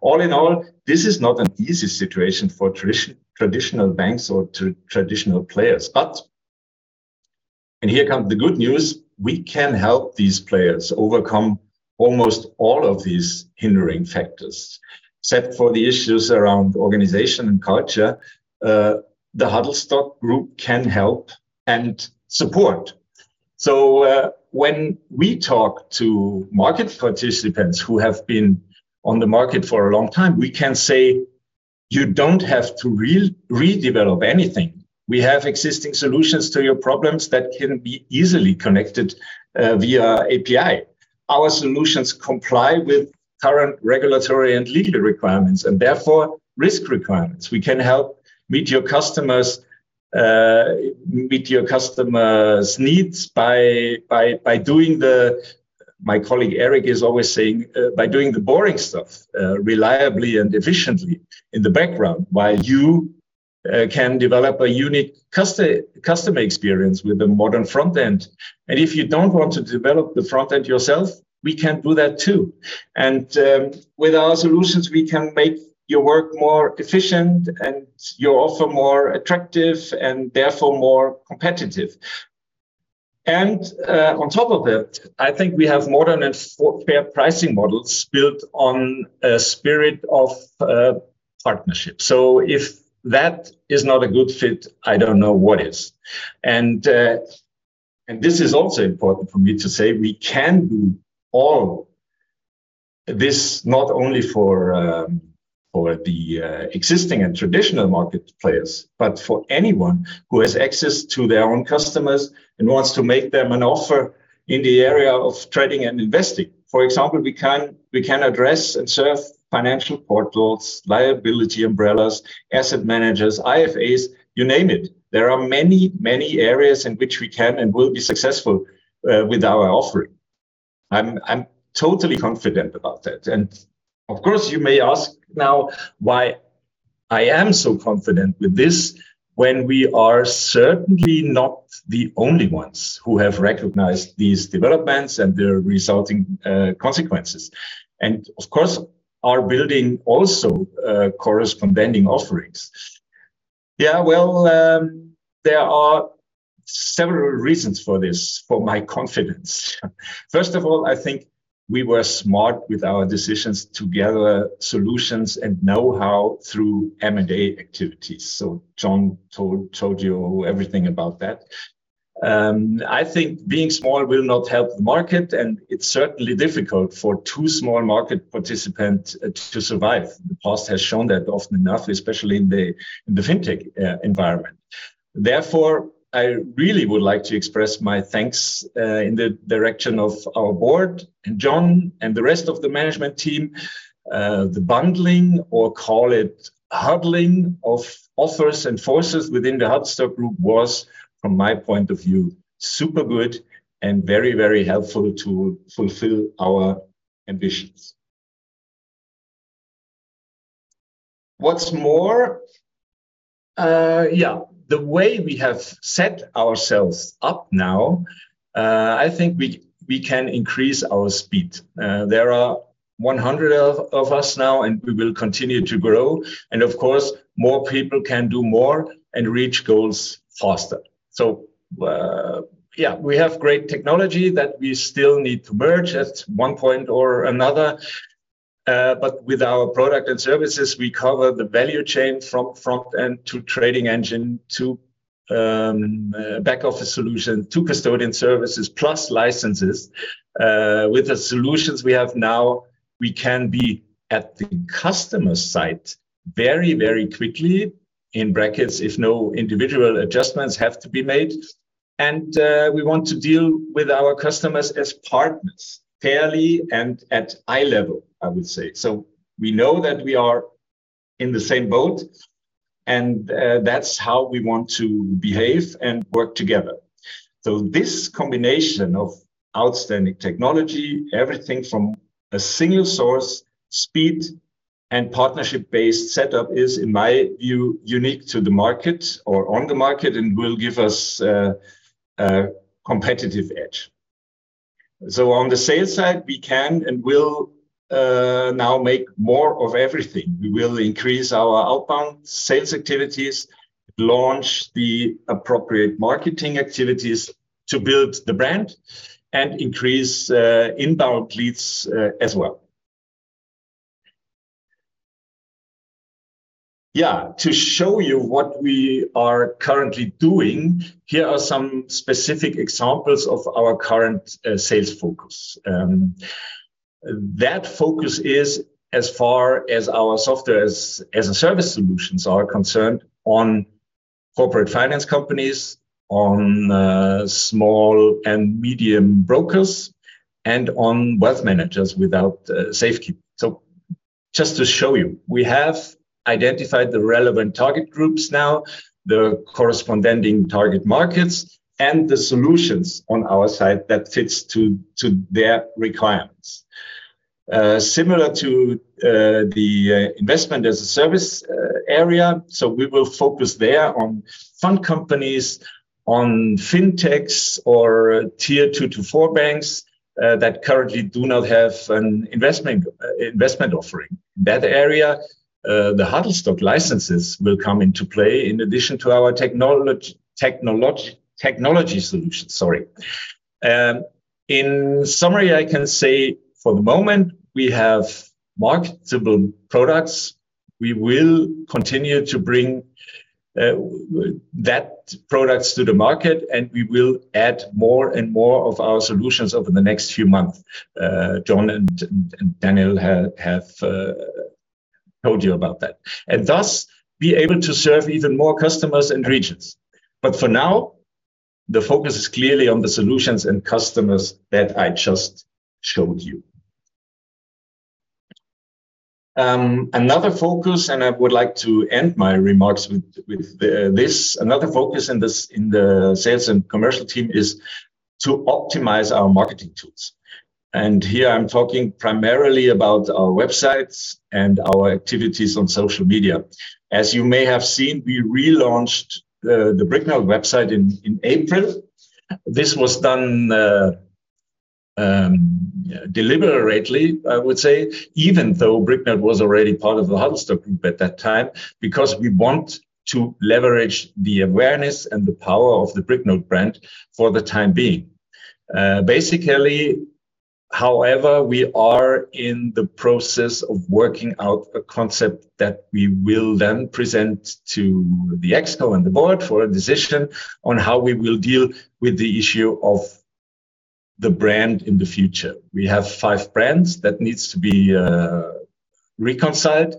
All in all, this is not an easy situation for traditional banks or traditional players. And here come the good news, we can help these players overcome almost all of these hindering factors. Except for the issues around organization and culture, the Huddlestock Group can help and support. When we talk to market participants who have been on the market for a long time, we can say, "You don't have to redevelop anything. We have existing solutions to your problems that can be easily connected via API." Our solutions comply with current regulatory and legal requirements, and therefore risk requirements. We can help meet your customers' needs by doing the-- My colleague, Erik, is always saying, "By doing the boring stuff, reliably and efficiently in the background, while you can develop a unique customer experience with a modern front end." If you don't want to develop the front end yourself, we can do that too. With our solutions, we can make your work more efficient and your offer more attractive and therefore more competitive. On top of that, I think we have modern and fair pricing models built on a spirit of partnership. If that is not a good fit, I don't know what is. This is also important for me to say, we can do all this not only for the existing and traditional market players, but for anyone who has access to their own customers and wants to make them an offer in the area of trading and investing. For example, we can address and serve financial portals, liability umbrellas, asset managers, IFAs, you name it. There are many, many areas in which we can and will be successful with our offering. I'm totally confident about that. Of course, you may ask now why I am so confident with this when we are certainly not the only ones who have recognized these developments and the resulting consequences, and of course, are building also corresponding offerings. Well, there are several reasons for this, for my confidence. First of all, I think we were smart with our decisions to gather solutions and know-how through M&A activities. John told you everything about that. I think being small will not help the market, and it's certainly difficult for two small market participants to survive. The past has shown that often enough, especially in the fintech environment. Therefore, I really would like to express my thanks in the direction of our board and John and the rest of the management team. The bundling, or call it huddling, of authors and forces within the Huddlestock Group was, from my point of view, super good and very, very helpful to fulfill our ambitions. What's more, yeah, the way we have set ourselves up now, I think we can increase our speed. There are 100 of us now, and we will continue to grow. Of course, more people can do more and reach goals faster. Yeah, we have great technology that we still need to merge at one point or another, but with our product and services, we cover the value chain from front end to trading engine, to back office solution, to custodian services, plus licenses. With the solutions we have now, we can be at the customer site very, very quickly, in brackets, if no individual adjustments have to be made. We want to deal with our customers as partners, fairly and at eye level, I would say. We know that we are in the same boat, and that's how we want to behave and work together. This combination of outstanding technology, everything from a single source, speed, and partnership-based setup is, in my view, unique to the market or on the market, and will give us a competitive edge. On the sales side, we can and will now make more of everything. We will increase our outbound sales activities, launch the appropriate marketing activities to build the brand, and increase inbound leads as well. Yeah, to show you what we are currently doing, here are some specific examples of our current sales focus. That focus is as far as our software as a service solutions are concerned, on corporate finance companies, on small and medium brokers, and on wealth managers without safekeeping. Just to show you, we have identified the relevant target groups now, the corresponding target markets, and the solutions on our side that fits to their requirements. Similar to the Investment-as-a-Service area, we will focus there on fund companies, on fintechs or tier two to four banks that currently do not have an investment offering. That area, the Huddlestock licenses will come into play in addition to our technology solutions, sorry. In summary, I can say for the moment, we have marketable products. We will continue to bring that products to the market, and we will add more and more of our solutions over the next few months. John and Daniel have told you about that, and thus, be able to serve even more customers and regions. For now, the focus is clearly on the solutions and customers that I just showed you. Another focus, and I would like to end my remarks with this. Another focus in the sales and commercial team is to optimize our marketing tools, and here I'm talking primarily about our websites and our activities on social media. As you may have seen, we relaunched the Bricknode website in April. This was done deliberately, I would say, even though Bricknode was already part of the Huddlestock Group at that time, because we want to leverage the awareness and the power of the Bricknode brand for the time being. Basically, however, we are in the process of working out a concept that we will then present to the ExCo and the board for a decision on how we will deal with the issue of the brand in the future. We have five brands that needs to be reconciled,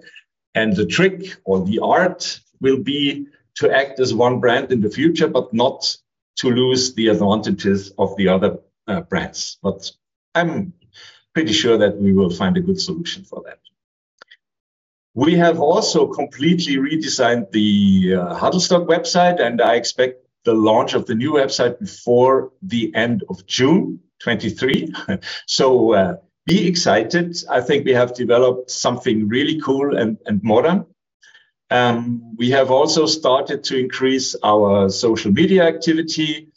and the trick or the art will be to act as one brand in the future, but not to lose the advantages of the other brands. I'm pretty sure that we will find a good solution for that. We have also completely redesigned the Huddlestock website, and I expect the launch of the new website before the end of June 2023. Be excited. I think we have developed something really cool and modern. We have also started to increase our social media activity,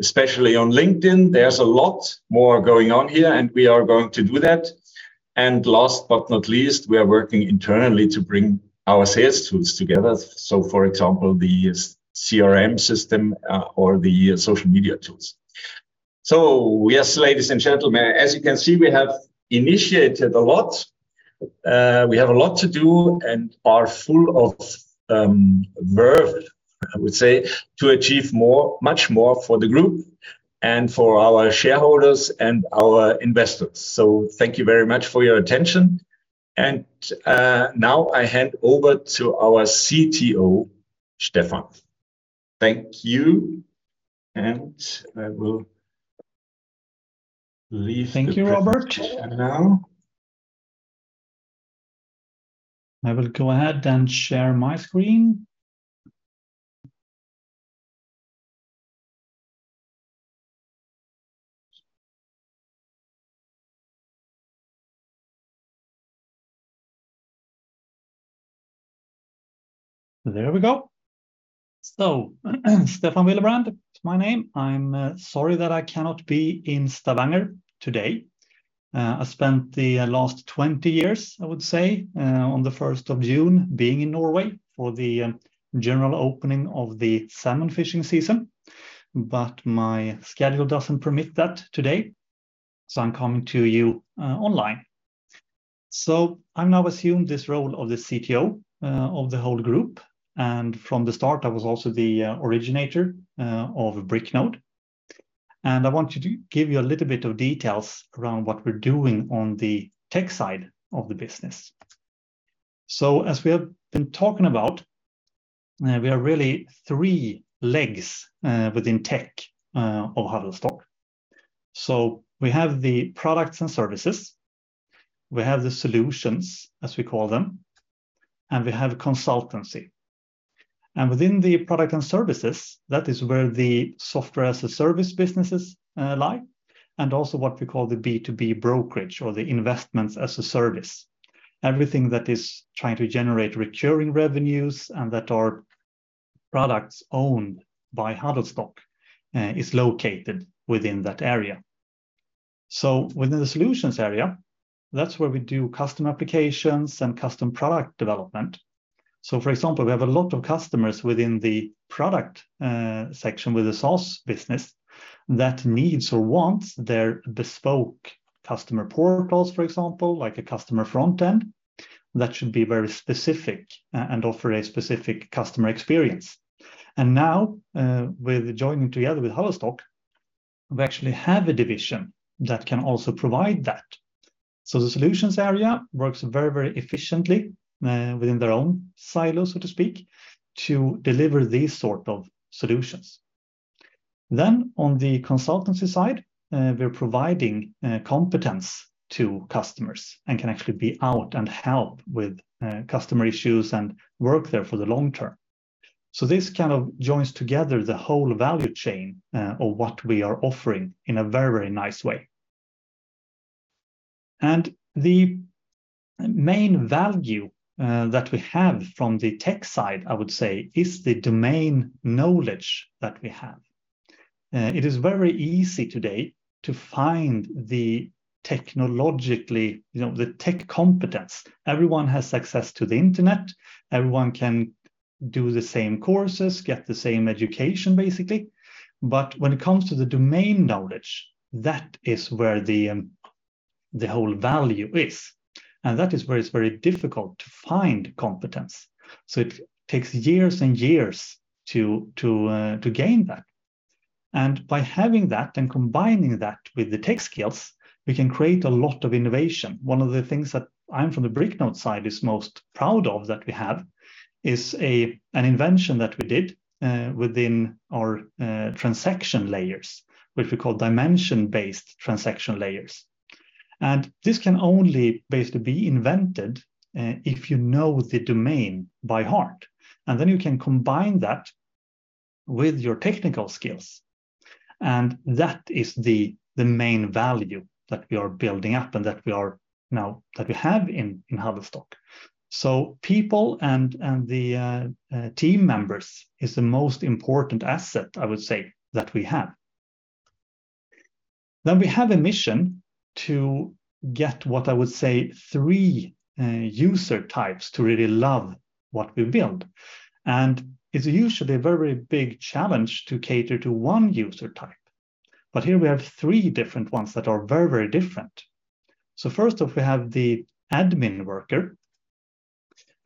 especially on LinkedIn. There's a lot more going on here, and we are going to do that. Last but not least, we are working internally to bring our sales tools together, so for example, the CRM system or the social media tools. Yes, ladies and gentlemen, as you can see, we have initiated a lot. We have a lot to do and are full of verve, I would say, to achieve more, much more for the group and for our shareholders and our investors. Thank you very much for your attention, and now I hand over to our CTO, Stefan. Thank you. Thank you, Robert. Now. I will go ahead and share my screen. There we go. Stefan Willebrand is my name. I'm sorry that I cannot be in Stavanger today. I spent the last 20 years, I would say, on the 1st of June, being in Norway for the general opening of the salmon fishing season, but my schedule doesn't permit that today, I'm coming to you online.... I've now assumed this role of the CTO of the whole group, and from the start, I was also the originator of Bricknode. I want you to give you a little bit of details around what we're doing on the tech side of the business. As we have been talking about, we are really three legs within tech of Huddlestock. We have the products and services, we have the solutions, as we call them, and we have consultancy. Within the product and services, that is where the software as a service businesses lie, and also what we call the B2B brokerage or the Investment-as-a-Service. Everything that is trying to generate recurring revenues and that are products owned by Huddlestock is located within that area. Within the solutions area, that's where we do custom applications and custom product development. For example, we have a lot of customers within the product section with the source business that needs or wants their bespoke customer portals, for example, like a customer front end, that should be very specific and offer a specific customer experience. Now, with joining together with Huddlestock, we actually have a division that can also provide that. The solutions area works very, very efficiently within their own silos, so to speak, to deliver these sort of solutions. On the consultancy side, we're providing competence to customers and can actually be out and help with customer issues and work there for the long term. This kind of joins together the whole value chain of what we are offering in a very, very nice way. The main value that we have from the tech side, I would say, is the domain knowledge that we have. It is very easy today to find the technologically, you know, the tech competence. Everyone has access to the internet. Everyone can do the same courses, get the same education, basically. When it comes to the domain knowledge, that is where the whole value is, and that is where it's very difficult to find competence. It takes years and years to gain that. By having that and combining that with the tech skills, we can create a lot of innovation. One of the things that I'm from the Bricknode side is most proud of that we have is an invention that we did within our transaction layers, which we call dimension-based transaction layers. This can only basically be invented if you know the domain by heart, and then you can combine that with your technical skills. That is the main value that we are building up and that we have in Huddlestock. People and the team members is the most important asset, I would say, that we have. We have a mission to get, what I would say, three user types to really love what we build, and it's usually a very big challenge to cater to one user type. Here we have three different ones that are very, very different. First off, we have the admin worker,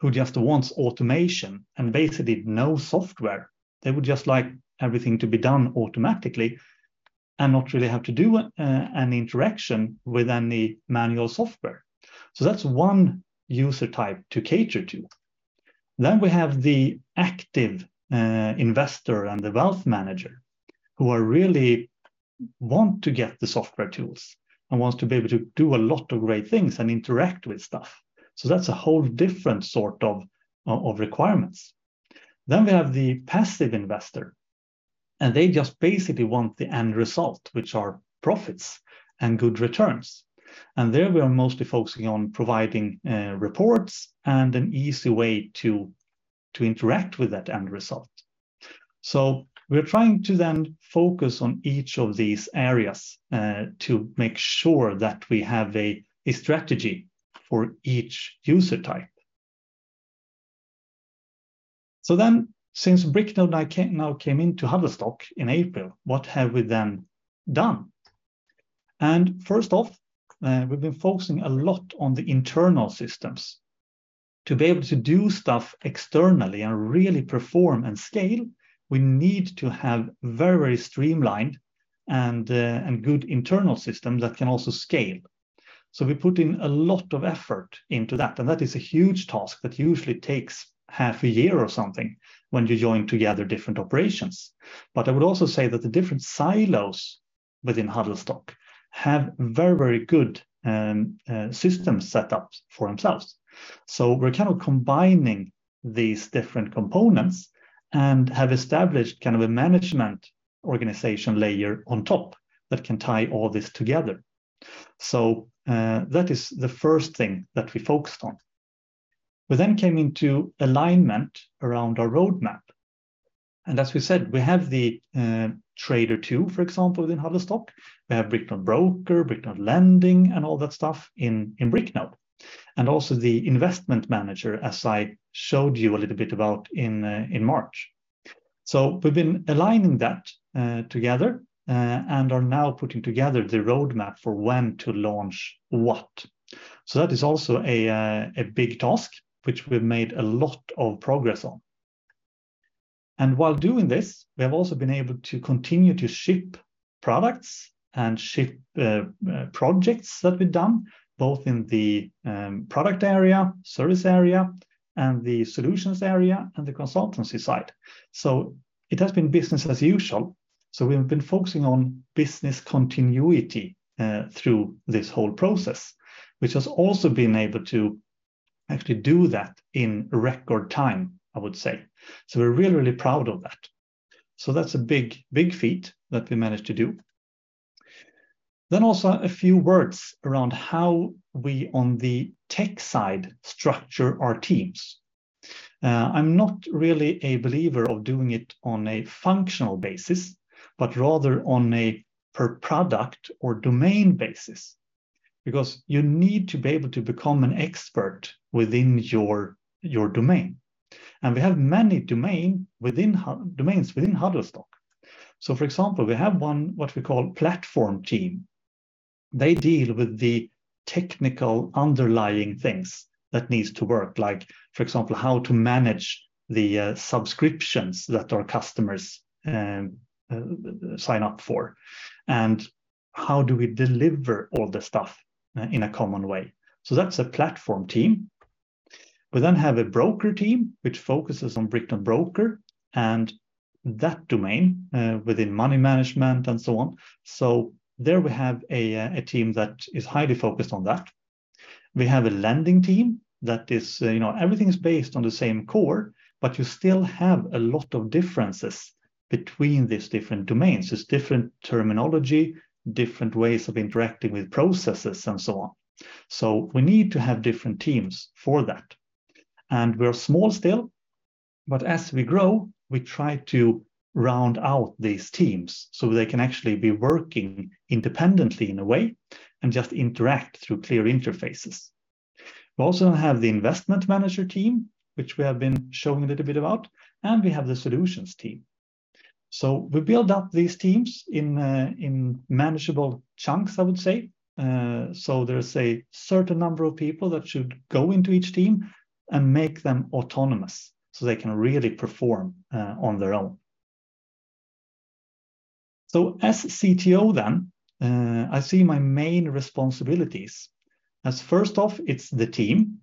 who just wants automation and basically no software. They would just like everything to be done automatically and not really have to do an interaction with any manual software. That's one user type to cater to. We have the active investor and the wealth manager, who are really want to get the software tools and wants to be able to do a lot of great things and interact with stuff. That's a whole different sort of requirements. Then we have the passive investor, and they just basically want the end result, which are profits and good returns. There we are mostly focusing on providing reports and an easy way to interact with that end result. We're trying to then focus on each of these areas to make sure that we have a strategy for each user type. Since Bricknode now came into Huddlestock in April, what have we then done? First off, we've been focusing a lot on the internal systems. To be able to do stuff externally and really perform and scale, we need to have very, very streamlined and good internal system that can also scale. We put in a lot of effort into that, and that is a huge task that usually takes half a year or something when you join together different operations. I would also say that the different silos within Huddlestock have very, very good systems set up for themselves. We're kind of combining these different components and have established kind of a management organization layer on top that can tie all this together. That is the first thing that we focused on. We then came into alignment around our roadmap. As we said, we have the Trader 2.0, for example, within Huddlestock. We have Bricknode Broker, Bricknode Lending, and all that stuff in Bricknode, and also the Investment Manager, as I showed you a little bit about in March. We've been aligning that together and are now putting together the roadmap for when to launch what. That is also a big task, which we've made a lot of progress on. While doing this, we have also been able to continue to ship products and ship projects that we've done, both in the product area, service area, and the solutions area, and the consultancy side. It has been business as usual, so we've been focusing on business continuity through this whole process, which has also been able to actually do that in record time, I would say. We're really, really proud of that. That's a big, big feat that we managed to do. Also a few words around how we, on the tech side, structure our teams. I'm not really a believer of doing it on a functional basis, but rather on a per product or domain basis, because you need to be able to become an expert within your domain, and we have many domains within Huddlestock. For example, we have one, what we call platform team. They deal with the technical underlying things that needs to work, like, for example, how to manage the subscriptions that our customers sign up for, and how do we deliver all the stuff in a common way. That's a platform team. We then have a broker team, which focuses on Bricknode Broker and that domain within money management and so on. There we have a team that is highly focused on that. We have a lending team that is, you know... Everything is based on the same core, you still have a lot of differences between these different domains. There's different terminology, different ways of interacting with processes, and so on. We need to have different teams for that, and we're small still, but as we grow, we try to round out these teams so they can actually be working independently in a way and just interact through clear interfaces. We also have the Investment Manager team, which we have been showing a little bit about, and we have the Huddlestock Solutions team. We build up these teams in manageable chunks, I would say. There's a certain number of people that should go into each team and make them autonomous, so they can really perform on their own. As CTO then, I see my main responsibilities as, first off, it's the team.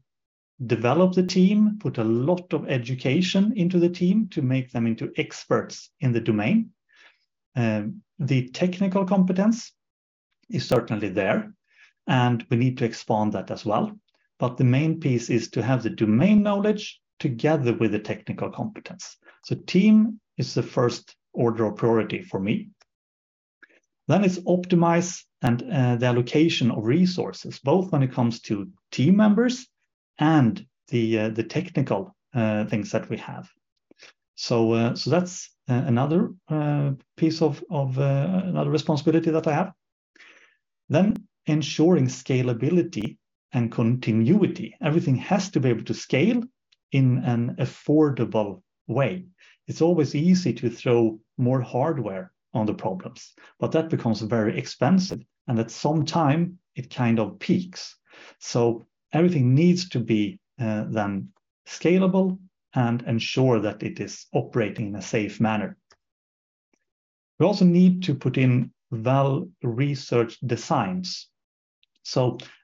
Develop the team, put a lot of education into the team to make them into experts in the domain. The technical competence is certainly there, and we need to expand that as well. The main piece is to have the domain knowledge together with the technical competence. Team is the first order of priority for me. It's optimize and the allocation of resources, both when it comes to team members and the technical things that we have. That's another piece of another responsibility that I have. Ensuring scalability and continuity. Everything has to be able to scale in an affordable way. It's always easy to throw more hardware on the problems, but that becomes very expensive, and at some time, it kind of peaks. Everything needs to be then scalable and ensure that it is operating in a safe manner. We also need to put in well-researched designs.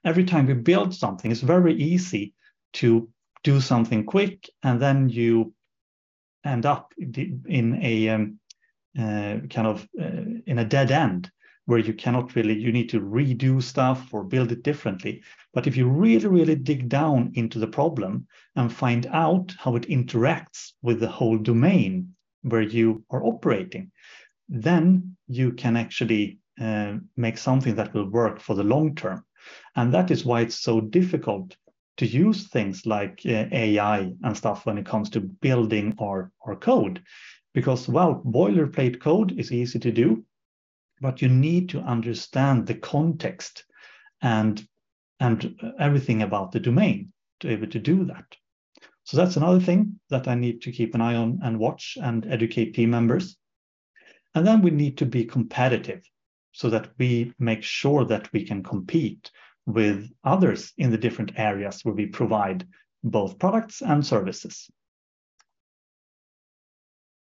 Every time we build something, it's very easy to do something quick, and then you end up in a kind of in a dead end, where you cannot really. You need to redo stuff or build it differently. If you really dig down into the problem and find out how it interacts with the whole domain where you are operating, then you can actually make something that will work for the long term. That is why it's so difficult to use things like AI and stuff when it comes to building our code. Well, boilerplate code is easy to do, but you need to understand the context and everything about the domain to able to do that. That's another thing that I need to keep an eye on and watch and educate team members. Then we need to be competitive, so that we make sure that we can compete with others in the different areas where we provide both products and services.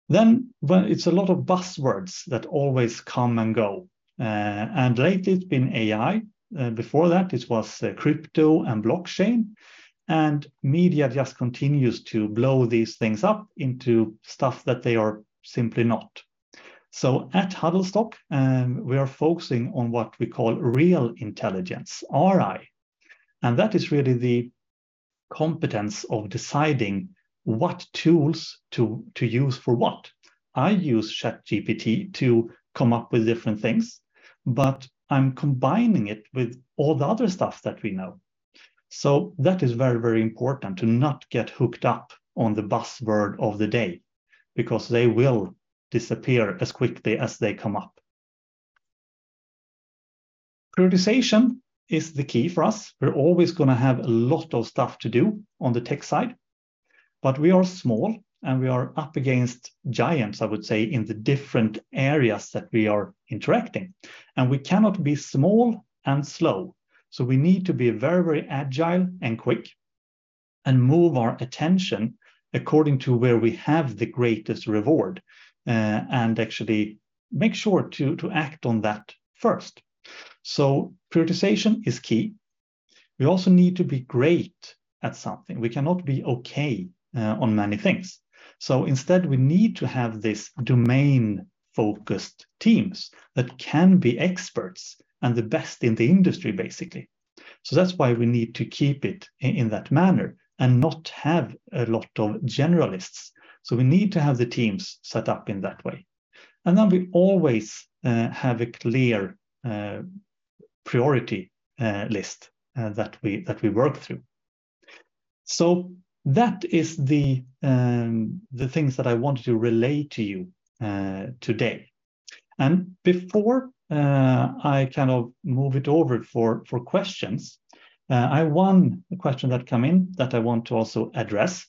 Well, it's a lot of buzzwords that always come and go. And lately, it's been AI. Before that, it was crypto and blockchain, and media just continues to blow these things up into stuff that they are simply not. At Huddlestock, we are focusing on what we call Real Intelligence, RI, and that is really the competence of deciding what tools to use for what. I use ChatGPT to come up with different things, but I'm combining it with all the other stuff that we know. That is very, very important, to not get hooked up on the buzzword of the day because they will disappear as quickly as they come up. Prioritization is the key for us. We're always going to have a lot of stuff to do on the tech side, but we are small, and we are up against giants, I would say, in the different areas that we are interacting. We cannot be small and slow. We need to be very, very agile and quick, and move our attention according to where we have the greatest reward, and actually make sure to act on that first. Prioritization is key. We also need to be great at something. We cannot be okay on many things. Instead, we need to have this domain-focused teams that can be experts and the best in the industry, basically. That's why we need to keep it in that manner and not have a lot of generalists. We need to have the teams set up in that way. Then we always have a clear priority list that we work through. That is the things that I wanted to relay to you today. Before I kind of move it over for questions, I have one question that come in that I want to also address,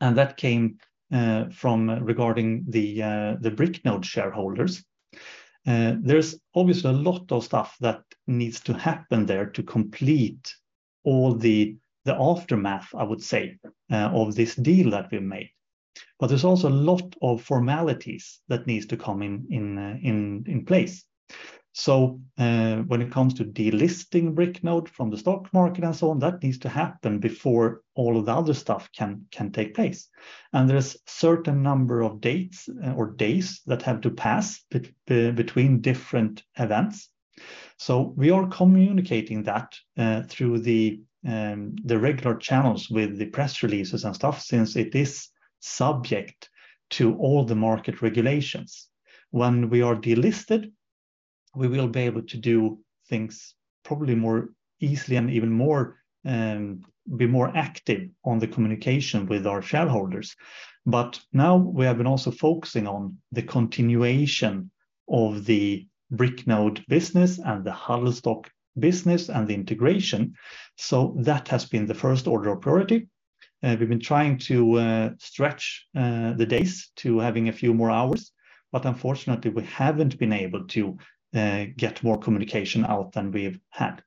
and that came from regarding the Bricknode shareholders. There's obviously a lot of stuff that needs to happen there to complete all the aftermath, I would say, of this deal that we've made. There's also a lot of formalities that needs to come in place. When it comes to delisting Bricknode from the stock market and so on, that needs to happen before all of the other stuff can take place. There is certain number of dates or days that have to pass between different events. We are communicating that through the regular channels with the press releases and stuff, since it is subject to all the market regulations. When we are delisted, we will be able to do things probably more easily and even more, be more active on the communication with our shareholders. Now we have been also focusing on the continuation of the Bricknode business and the Huddlestock business and the integration. That has been the first order of priority. We've been trying to stretch the days to having a few more hours, but unfortunately, we haven't been able to get more communication out than we've had.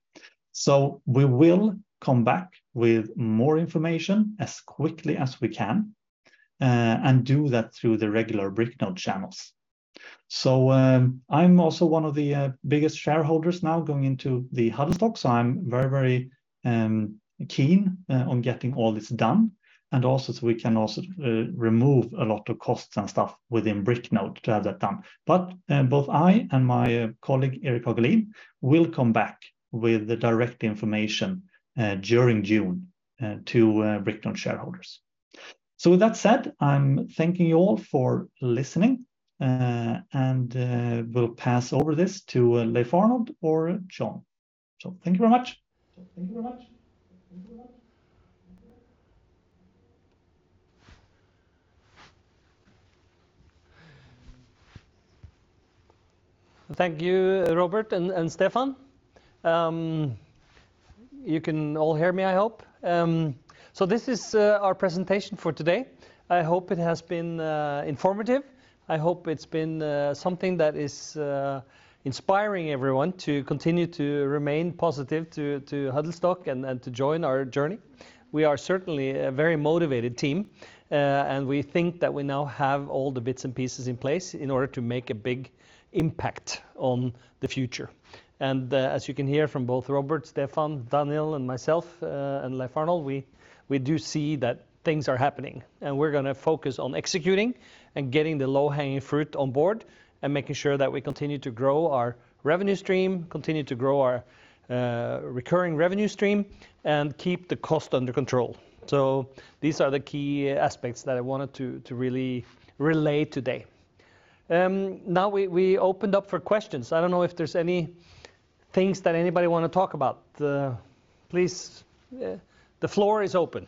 We will come back with more information as quickly as we can and do that through the regular Bricknode channels. I'm also one of the biggest shareholders now going into the Huddlestock, so I'm very, very keen on getting all this done, and also so we can also remove a lot of costs and stuff within Bricknode to have that done. Both I and my colleague, Erik Hagelin, will come back with the direct information, during June, to Bricknode shareholders. With that said, I'm thanking you all for listening, and will pass over this to Leif Arnold or John. Thank you very much. Thank you very much. Thank you, Robert and Stefan. You can all hear me, I hope? This is our presentation for today. I hope it has been informative. I hope it's been something that is inspiring everyone to continue to remain positive to Huddlestock and to join our journey. We are certainly a very motivated team and we think that we now have all the bits and pieces in place in order to make a big impact on the future. As you can hear from both Robert, Stefan, Daniel, and myself, and Leif Arnold, we do see that things are happening, and we're gonna focus on executing and getting the low-hanging fruit on board and making sure that we continue to grow our revenue stream, continue to grow our recurring revenue stream, and keep the cost under control. These are the key aspects that I wanted to really relay today. Now we opened up for questions. I don't know if there's any things that anybody wanna talk about. Please, the floor is open.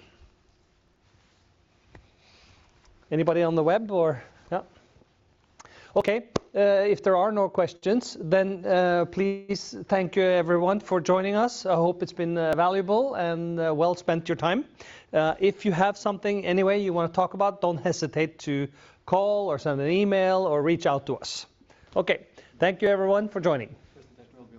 Anybody on the web or... No? If there are no questions, then, please thank you, everyone, for joining us. I hope it's been valuable and well-spent, your time. If you have something anyway you wanna talk about, don't hesitate to call or send an email or reach out to us. Thank you, everyone, for joining.